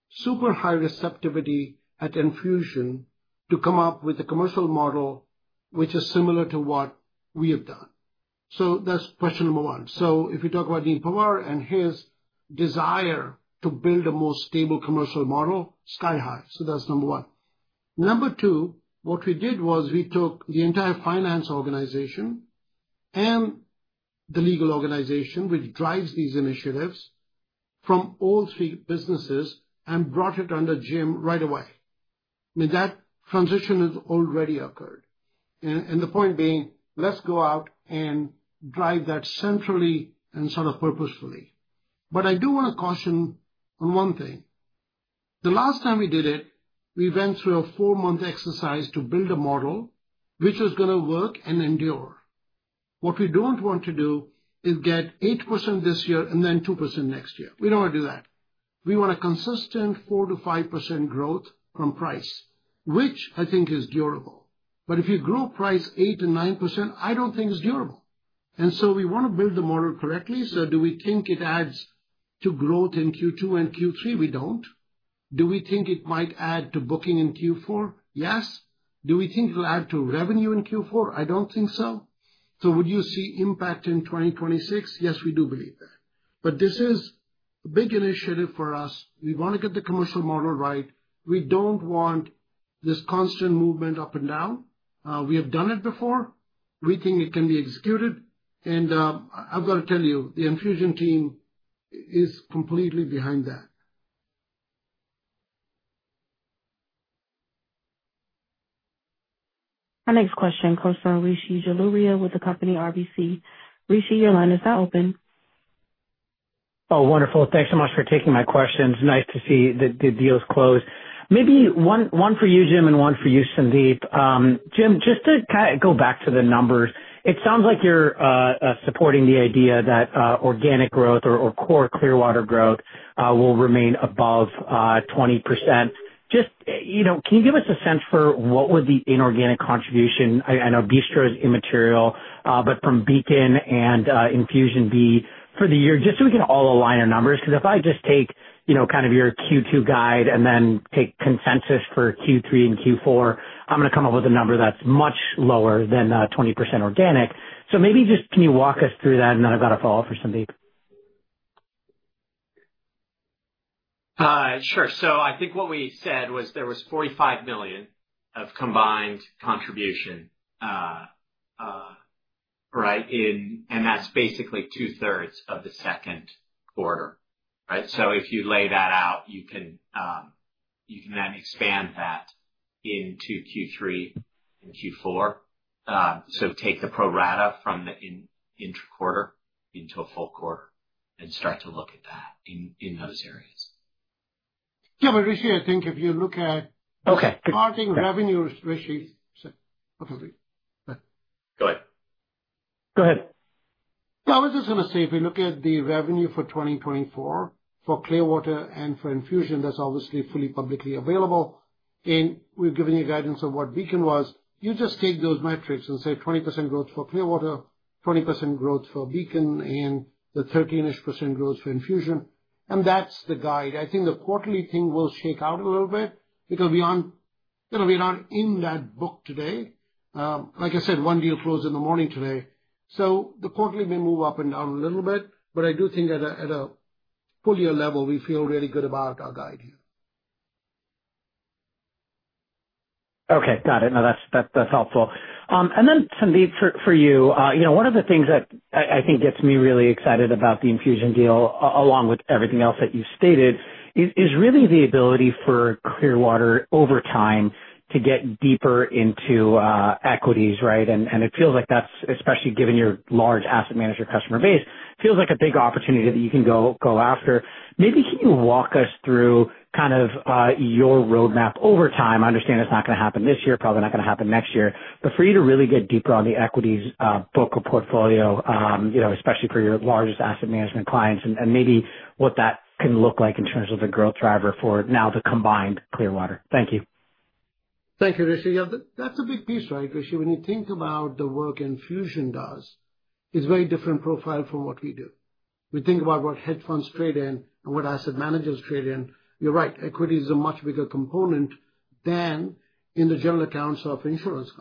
super high receptivity at Enfusion to come up with a commercial model which is similar to what we have done. That is question number one. If you talk about Neal Pawar and his desire to build a more stable commercial model, sky high. That is number one. Number two, what we did was we took the entire finance organization and the legal organization, which drives these initiatives, from all three businesses and brought it under Jim right away. I mean, that transition has already occurred. The point being, let's go out and drive that centrally and sort of purposefully. But I do want to caution on one thing. The last time we did it, we went through a four-month exercise to build a model which was going to work and endure. What we don't want to do is get 8% this year and then 2% next year. We don't want to do that. We want a consistent 4%-5% growth from price, which I think is durable. If you grow price 8%-9%, I don't think it's durable. We want to build the model correctly. Do we think it adds to growth in Q2 and Q3? We don't. Do we think it might add to booking in Q4? Yes. Do we think it'll add to revenue in Q4? I don't think so. Would you see impact in 2026? Yes, we do believe that. This is a big initiative for us. We want to get the commercial model right. We do not want this constant movement up and down. We have done it before. We think it can be executed. I have got to tell you, the Enfusion team is completely behind that. Our next question comes from Rishi Jaluria with RBC. Rishi, your line is now open. Oh, wonderful. Thanks so much for taking my questions. Nice to see the deals close. Maybe one for you, Jim, and one for you, Sandeep. Jim, just to kind of go back to the numbers, it sounds like you're supporting the idea that organic growth or core Clearwater growth will remain above 20%. Just can you give us a sense for what would the inorganic contribution—I know Bistro is immaterial—but from Beacon and Enfusion be for the year just so we can all align our numbers? Because if I just take kind of your Q2 guide and then take consensus for Q3 and Q4, I'm going to come up with a number that's much lower than 20% organic. Maybe just can you walk us through that? I have a follow-up for Sandeep. Sure. I think what we said was there was $45 million of combined contribution, right? That is basically two-thirds of the second quarter, right? If you lay that out, you can then expand that into Q3 and Q4. Take the pro rata from the intra-quarter into a full quarter and start to look at that in those areas. Yeah. Rishi, I think if you look at. Okay. Starting revenues, Rishi—sorry. Okay. Right. Go ahead. Go ahead. Yeah. I was just going to say, if we look at the revenue for 2024 for Clearwater and for Enfusion, that's obviously fully publicly available. And we've given you guidance on what Beacon was. You just take those metrics and say 20% growth for Clearwater, 20% growth for Beacon, and the 13% growth for Enfusion. And that's the guide. I think the quarterly thing will shake out a little bit because we're not in that book today. Like I said, one deal closed in the morning today. The quarterly may move up and down a little bit. I do think at a full-year level, we feel really good about our guide here. Okay. Got it. No, that's helpful. Sandeep, for you, one of the things that I think gets me really excited about the Enfusion deal, along with everything else that you've stated, is really the ability for Clearwater over time to get deeper into equities, right? It feels like that's, especially given your large asset manager customer base, feels like a big opportunity that you can go after. Maybe can you walk us through kind of your roadmap over time? I understand it's not going to happen this year, probably not going to happen next year. For you to really get deeper on the equities book or portfolio, especially for your largest asset management clients, and maybe what that can look like in terms of the growth driver for now the combined Clearwater. Thank you. Thank you, Rishi. That's a big piece, right, Rishi? When you think about the work Enfusion does, it's a very different profile from what we do. We think about what hedge funds trade in and what asset managers trade in. You're right. Equities are a much bigger component than in the general accounts of insurance companies.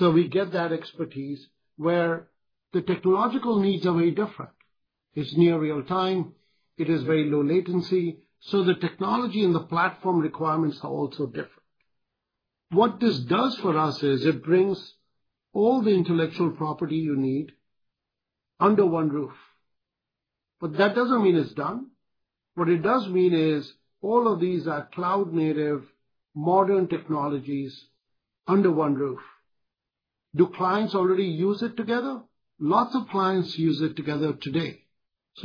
We get that expertise where the technological needs are very different. It's near real-time. It is very low latency. The technology and the platform requirements are also different. What this does for us is it brings all the intellectual property you need under one roof. That does not mean it's done. What it does mean is all of these are cloud-native modern technologies under one roof. Do clients already use it together? Lots of clients use it together today.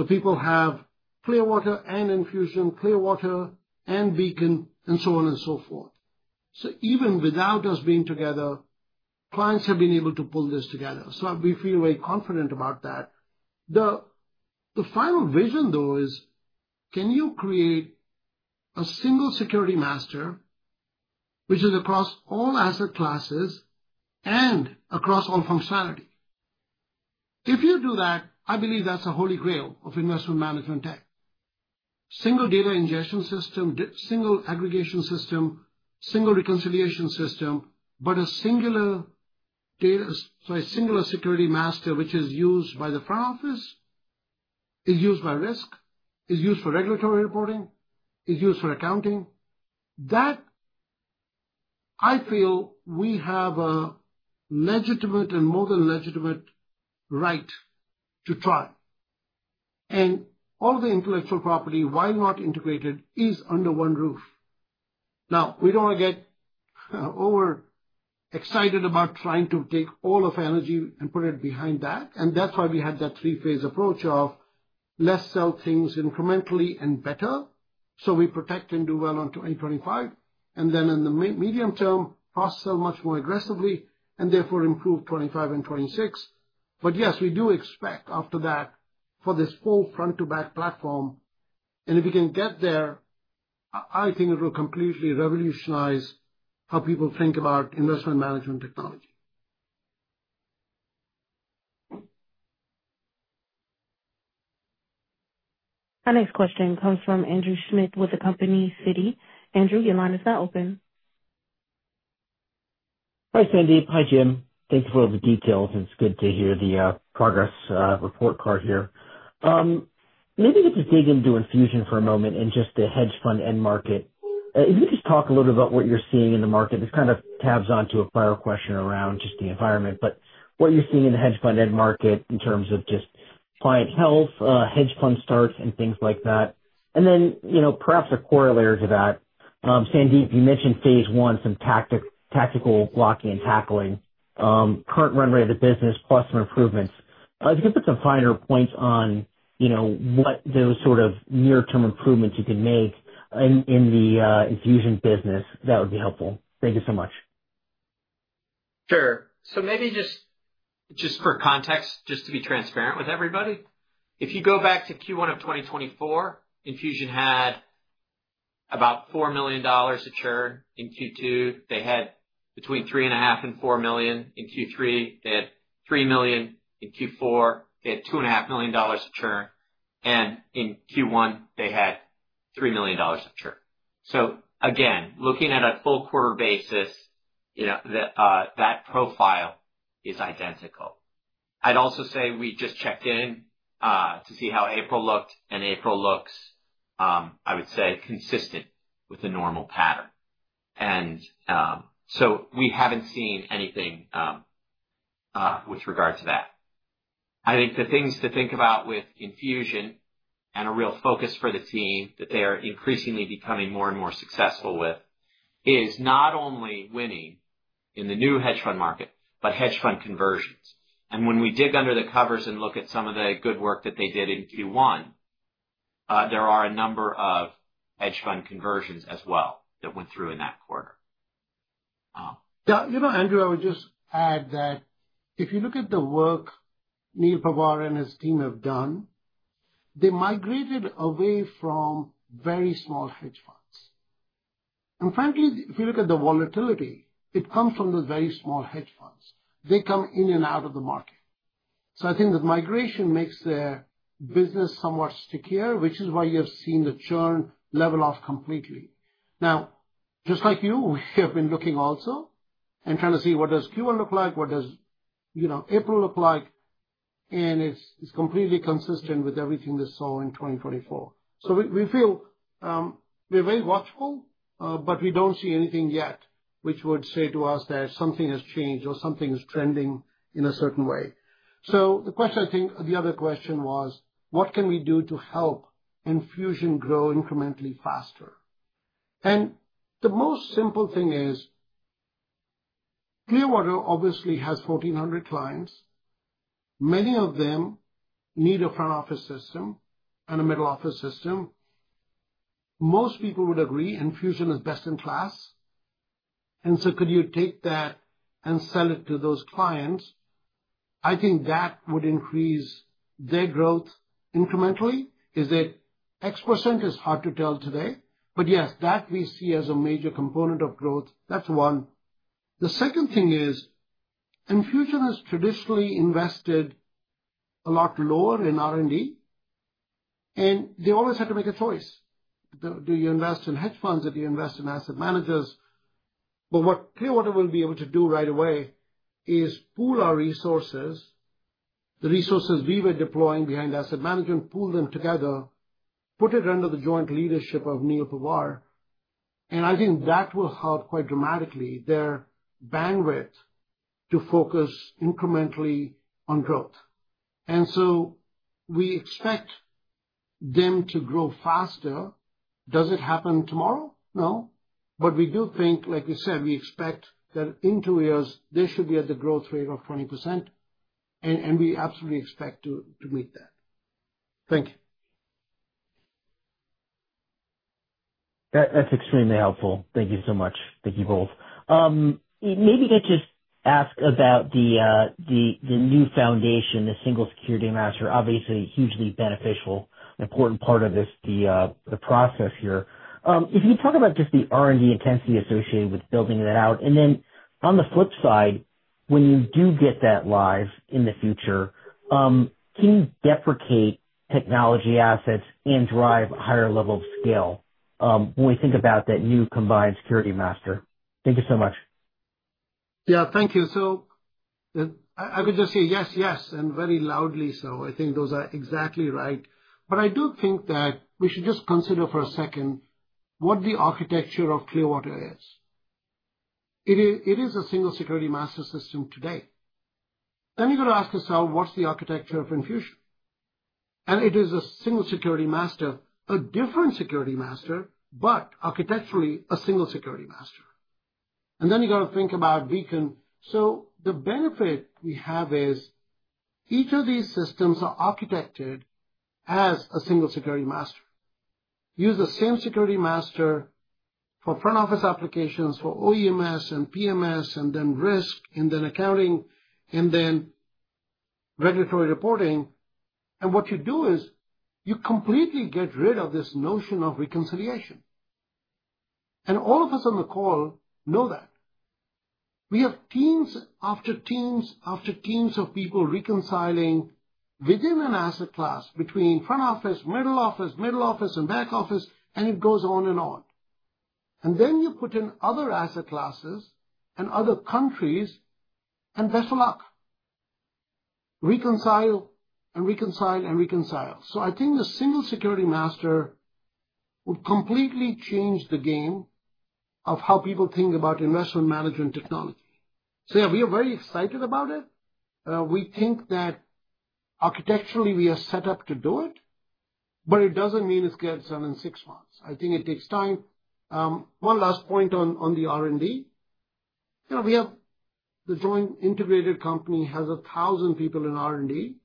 People have Clearwater and Enfusion, Clearwater and Beacon, and so on and so forth. Even without us being together, clients have been able to pull this together. We feel very confident about that. The final vision, though, is can you create a single security master, which is across all asset classes and across all functionality? If you do that, I believe that is a holy grail of investment management tech. Single data ingestion system, single aggregation system, single reconciliation system, but a singular data—sorry, singular security master which is used by the front office, is used by risk, is used for regulatory reporting, is used for accounting. That I feel we have a legitimate and more than legitimate right to try. All the intellectual property, while not integrated, is under one roof. Now, we do not want to get over-excited about trying to take all of energy and put it behind that. That is why we had that three-phase approach of less sell things incrementally and better so we protect and do well on 2025. In the medium term, cost sell much more aggressively and therefore improve 2025 and 2026. Yes, we do expect after that for this full front-to-back platform. If we can get there, I think it will completely revolutionize how people think about investment management technology. Our next question comes from Andrew Schmidt with the company, Citi. Andrew, your line is now open. Hi, Sandeep. Hi, Jim. Thank you for all the details. It's good to hear the progress report card here. Maybe if we dig into Enfusion for a moment and just the hedge fund end market, if you could just talk a little bit about what you're seeing in the market. This kind of tabs onto a prior question around just the environment. What you're seeing in the hedge fund end market in terms of just client health, hedge fund starts, and things like that. Perhaps a corollary to that, Sandeep, you mentioned phase one, some tactical blocking and tackling, current run rate of the business, plus some improvements. If you could put some finer points on what those sort of near-term improvements you can make in the Enfusion business, that would be helpful. Thank you so much. Sure. Maybe just for context, just to be transparent with everybody, if you go back to Q1 of 2024, Enfusion had about $4 million to churn. In Q2, they had between $3.5 million and $4 million. In Q3, they had $3 million. In Q4, they had $2.5 million to churn. In Q1, they had $3 million to churn. Again, looking at a full quarter basis, that profile is identical. I'd also say we just checked in to see how April looked, and April looks, I would say, consistent with the normal pattern. We haven't seen anything with regard to that. I think the things to think about with Enfusion and a real focus for the team that they are increasingly becoming more and more successful with is not only winning in the new hedge fund market, but hedge fund conversions. When we dig under the covers and look at some of the good work that they did in Q1, there are a number of hedge fund conversions as well that went through in that quarter. Yeah. You know, Andrew, I would just add that if you look at the work Neal Pawar and his team have done, they migrated away from very small hedge funds. And frankly, if you look at the volatility, it comes from those very small hedge funds. They come in and out of the market. I think the migration makes their business somewhat stickier, which is why you have seen the churn level off completely. Now, just like you, we have been looking also and trying to see what does Q1 look like, what does April look like. It is completely consistent with everything we saw in 2024. We feel we are very watchful, but we do not see anything yet which would say to us that something has changed or something is trending in a certain way. The question, I think the other question was, what can we do to help Enfusion grow incrementally faster? The most simple thing is Clearwater obviously has 1,400 clients. Many of them need a front-office system and a middle-office system. Most people would agree Enfusion is best in class. Could you take that and sell it to those clients? I think that would increase their growth incrementally. Is it X percent it's hard to tell today. Yes, that we see as a major component of growth. That's one. The second thing is Enfusion has traditionally invested a lot lower in R&D. They always had to make a choice. Do you invest in hedge funds? Do you invest in asset managers? What Clearwater will be able to do right away is pool our resources, the resources we were deploying behind asset management, pool them together, put it under the joint leadership of Neal Pawar. I think that will help quite dramatically their bandwidth to focus incrementally on growth. We expect them to grow faster. Does it happen tomorrow? No. We do think, like we said, we expect that in two years, they should be at the growth rate of 20%. We absolutely expect to meet that. Thank you. That's extremely helpful. Thank you so much. Thank you both. Maybe to just ask about the new foundation, the single security master, obviously hugely beneficial, important part of the process here. If you talk about just the R&D intensity associated with building that out, and then on the flip side, when you do get that live in the future, can you deprecate technology assets and drive a higher level of scale when we think about that new combined security master? Thank you so much. Yeah. Thank you. I could just say yes, yes, and very loudly. I think those are exactly right. I do think that we should just consider for a second what the architecture of Clearwater is. It is a single security master system today. You have to ask yourself, what's the architecture of Enfusion? It is a single security master, a different security master, but architecturally a single security master. You have to think about Beacon. The benefit we have is each of these systems are architected as a single security master. Use the same security master for front-office applications for OMS and PMS and then risk and then accounting and then regulatory reporting. What you do is you completely get rid of this notion of reconciliation. All of us on the call know that. We have teams after teams after teams of people reconciling within an asset class between front office, middle office, middle office, and back office, and it goes on and on. Then you put in other asset classes and other countries, and best of luck. Reconcile and reconcile and reconcile. I think the single security master would completely change the game of how people think about investment management technology. Yeah, we are very excited about it. We think that architecturally we are set up to do it, but it doesn't mean it's getting done in six months. I think it takes time. One last point on the R&D. We have the joint integrated company has 1,000 people in R&D.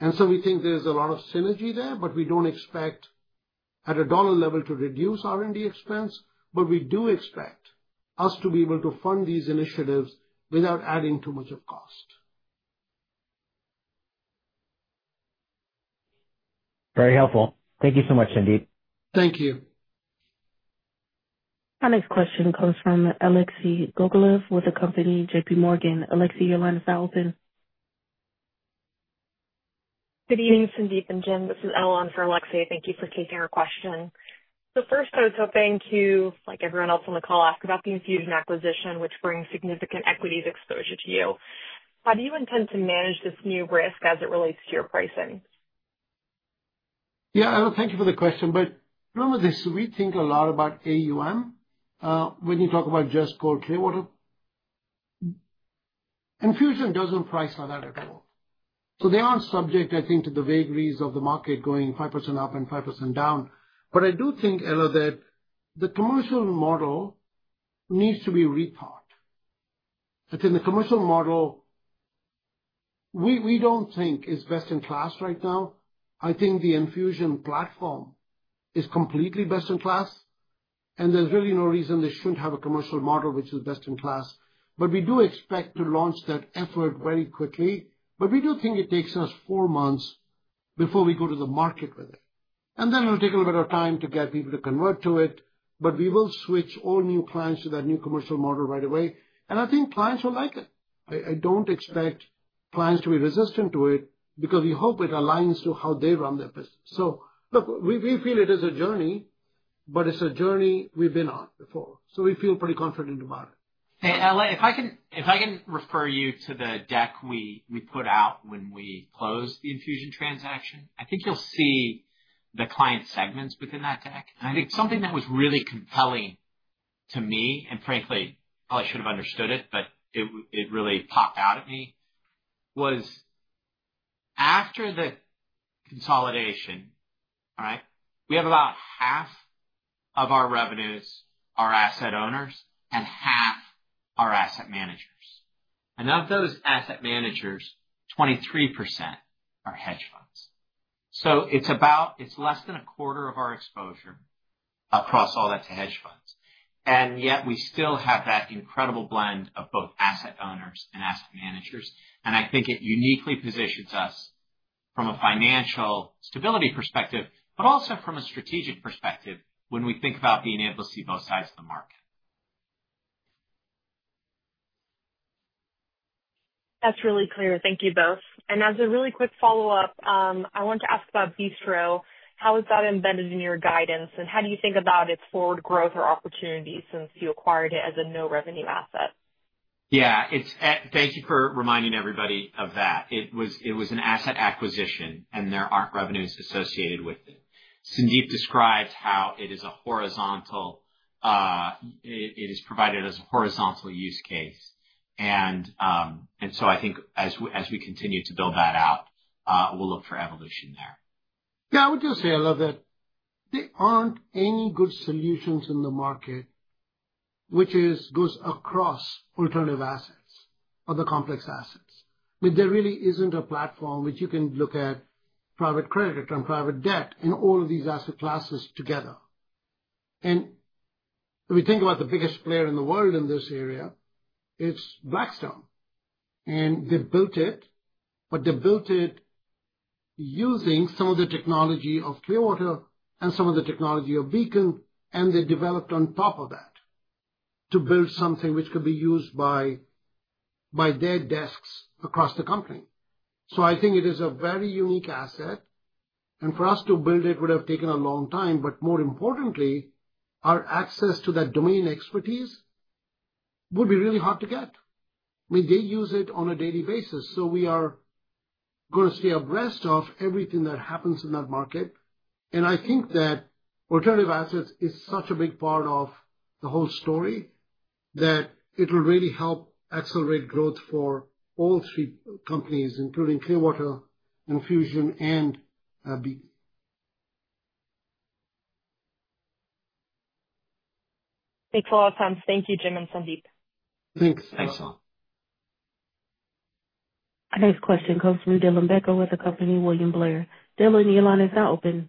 We think there's a lot of synergy there, but we don't expect at a dollar level to reduce R&D expense. We do expect us to be able to fund these initiatives without adding too much of cost. Very helpful. Thank you so much, Sandeep. Thank you. Our next question comes from Alexei Gogolev with the company, JPMorgan. Alexei, your line is now open. Good evening, Sandeep and Jim. This is Ella on for Alexei. Thank you for taking our question. First, I was hoping to, like everyone else on the call, ask about the Enfusion acquisition, which brings significant equities exposure to you. How do you intend to manage this new risk as it relates to your pricing? Yeah. Ella, thank you for the question. Remember this, we think a lot about AUM when you talk about just cold Clearwater. Enfusion doesn't price like that at all. They aren't subject, I think, to the vagaries of the market going 5% up and 5% down. I do think, Ella, that the commercial model needs to be rethought. I think the commercial model we don't think is best in class right now. I think the Enfusion platform is completely best in class. There's really no reason they shouldn't have a commercial model which is best in class. We do expect to launch that effort very quickly. We do think it takes us four months before we go to the market with it. It will take a little bit of time to get people to convert to it. We will switch all new clients to that new commercial model right away. I think clients will like it. I do not expect clients to be resistant to it because we hope it aligns to how they run their business. Look, we feel it is a journey, but it is a journey we have been on before. We feel pretty confident about it. Hey, Ella, if I can refer you to the deck we put out when we closed the Enfusion transaction, I think you'll see the client segments within that deck. I think something that was really compelling to me, and frankly, probably should have understood it, but it really popped out at me was after the consolidation, all right, we have about half of our revenues are asset owners and half are asset managers. Of those asset managers, 23% are hedge funds. It's less than a quarter of our exposure across all that to hedge funds. Yet we still have that incredible blend of both asset owners and asset managers. I think it uniquely positions us from a financial stability perspective, but also from a strategic perspective when we think about being able to see both sides of the market. That's really clear. Thank you both. As a really quick follow-up, I want to ask about Bistro. How is that embedded in your guidance? How do you think about its forward growth or opportunities since you acquired it as a no-revenue asset? Yeah. Thank you for reminding everybody of that. It was an asset acquisition, and there aren't revenues associated with it. Sandeep describes how it is a horizontal, it is provided as a horizontal use case. I think as we continue to build that out, we'll look for evolution there. Yeah. I would just say, Ella, that there aren't any good solutions in the market which goes across alternative assets or the complex assets. I mean, there really isn't a platform which you can look at private credit and private debt in all of these asset classes together. If we think about the biggest player in the world in this area, it's Blackstone. They built it, but they built it using some of the technology of Clearwater and some of the technology of Beacon, and they developed on top of that to build something which could be used by their desks across the company. I think it is a very unique asset. For us to build it would have taken a long time. More importantly, our access to that domain expertise would be really hard to get. I mean, they use it on a daily basis. We are going to stay abreast of everything that happens in that market. I think that alternative assets is such a big part of the whole story that it will really help accelerate growth for all three companies, including Clearwater, Enfusion, and Beacon. Makes a lot of sense. Thank you, Jim and Sandeep. Thanks. Thanks, Ella. Our next question comes from Dylan Becker with William Blair. Dylan, line is now open.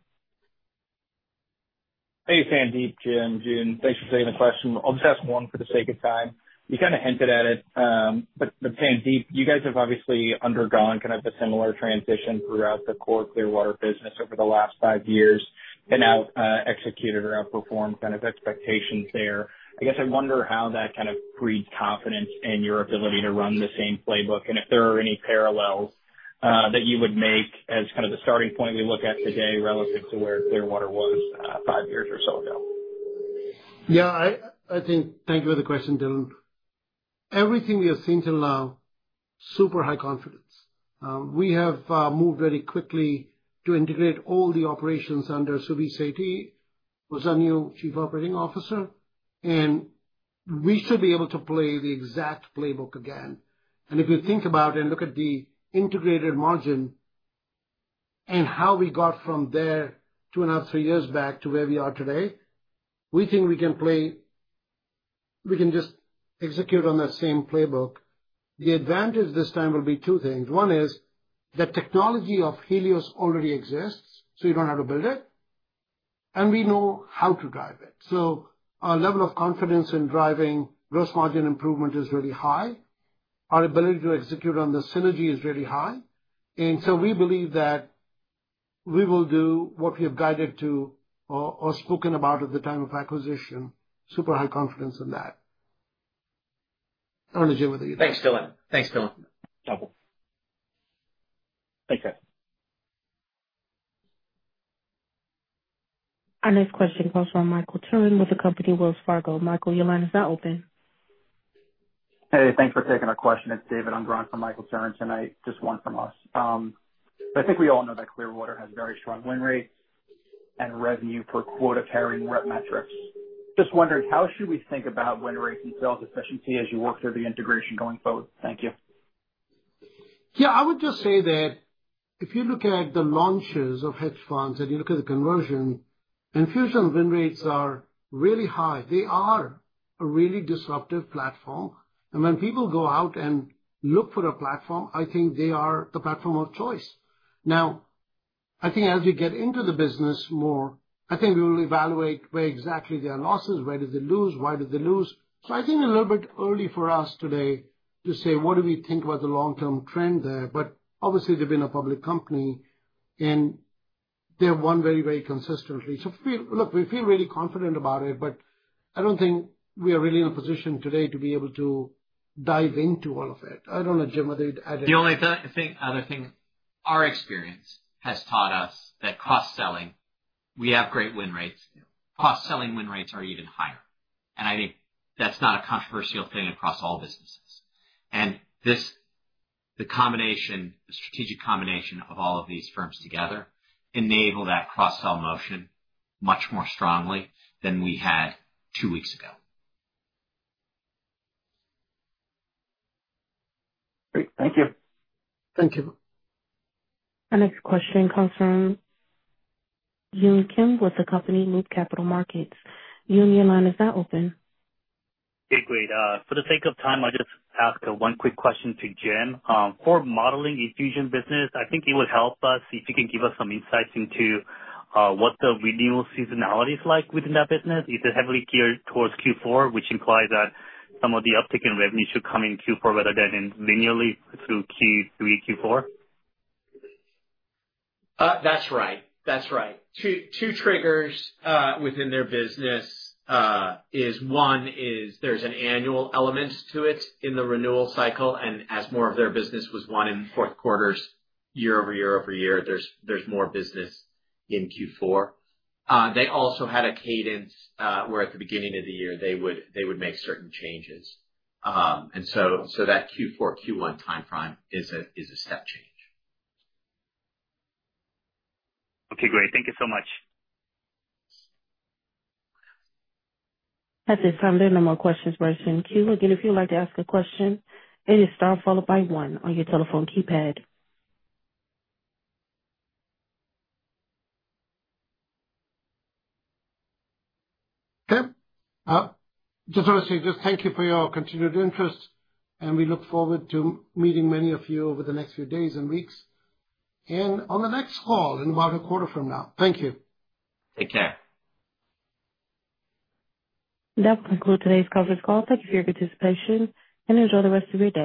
Hey, Sandeep, Jim, Joon. Thanks for taking the question. I'll just ask one for the sake of time. You kind of hinted at it. Sandeep, you guys have obviously undergone kind of a similar transition throughout the core Clearwater business over the last five years and have executed or outperformed kind of expectations there. I guess I wonder how that kind of breeds confidence in your ability to run the same playbook and if there are any parallels that you would make as kind of the starting point we look at today relative to where Clearwater was five years or so ago. Yeah. I think thank you for the question, Dylan. Everything we have seen till now, super high confidence. We have moved very quickly to integrate all the operations under Subi Sethi, who's our new Chief Operating Officer. We should be able to play the exact playbook again. If you think about it and look at the integrated margin and how we got from there two and a half, three years back to where we are today, we think we can play, we can just execute on that same playbook. The advantage this time will be two things. One is that technology of Helios already exists, so you do not have to build it. We know how to drive it. Our level of confidence in driving gross margin improvement is really high. Our ability to execute on the synergy is really high. We believe that we will do what we have guided to or spoken about at the time of acquisition, super high confidence in that. I do not know, Jim, whether you— Thanks, Dylan. Helpful. Thanks, guys. Our next question comes from Michael Turrin with the company, Wells Fargo. Michael, the line is now open. Hey, thanks for taking our question. It's David Unger on from Michael Turrin, and I just won from us. I think we all know that Clearwater has very strong win rates and revenue per quota carrying rep metrics. Just wondering, how should we think about win rates and sales efficiency as you work through the integration going forward? Thank you. Yeah. I would just say that if you look at the launches of hedge funds and you look at the conversion, Enfusion win rates are really high. They are a really disruptive platform. When people go out and look for a platform, I think they are the platform of choice. Now, I think as we get into the business more, I think we will evaluate where exactly they are lost, where did they lose, why did they lose. I think a little bit early for us today to say, what do we think about the long-term trend there? Obviously, they've been a public company, and they've won very, very consistently. Look, we feel really confident about it, but I don't think we are really in a position today to be able to dive into all of it. I don't know, Jim, whether you'd add anything. The only other thing our experience has taught us is that cross-selling, we have great win rates. Cross-selling win rates are even higher. I think that's not a controversial thing across all businesses. The strategic combination of all of these firms together enables that cross-sell motion much more strongly than we had two weeks ago. Great. Thank you. Thank you. Our next question comes from Yun Kim with the company, Loop Capital Markets. Yun, your line is now open. Okay. Great. For the sake of time, I'll just ask one quick question to Jim. For modeling Enfusion business, I think it would help us if you can give us some insights into what the renewal seasonality is like within that business. Is it heavily geared towards Q4, which implies that some of the uptick in revenue should come in Q4 rather than linearly through Q3, Q4? That's right. That's right. Two triggers within their business is one is there's an annual element to it in the renewal cycle. As more of their business was won in fourth quarters, year-over-year, there's more business in Q4. They also had a cadence where at the beginning of the year, they would make certain changes. That Q4, Q1 timeframe is a step change. Okay. Great. Thank you so much. That's it. I'm doing no more questions for us in queue. Again, if you'd like to ask a question, it is star followed by one on your telephone keypad. Okay. Just want to say just thank you for your continued interest. We look forward to meeting many of you over the next few days and weeks. On the next call in about a quarter from now. Thank you. Take care. That will conclude today's conference call. Thank you for your participation, and enjoy the rest of your day.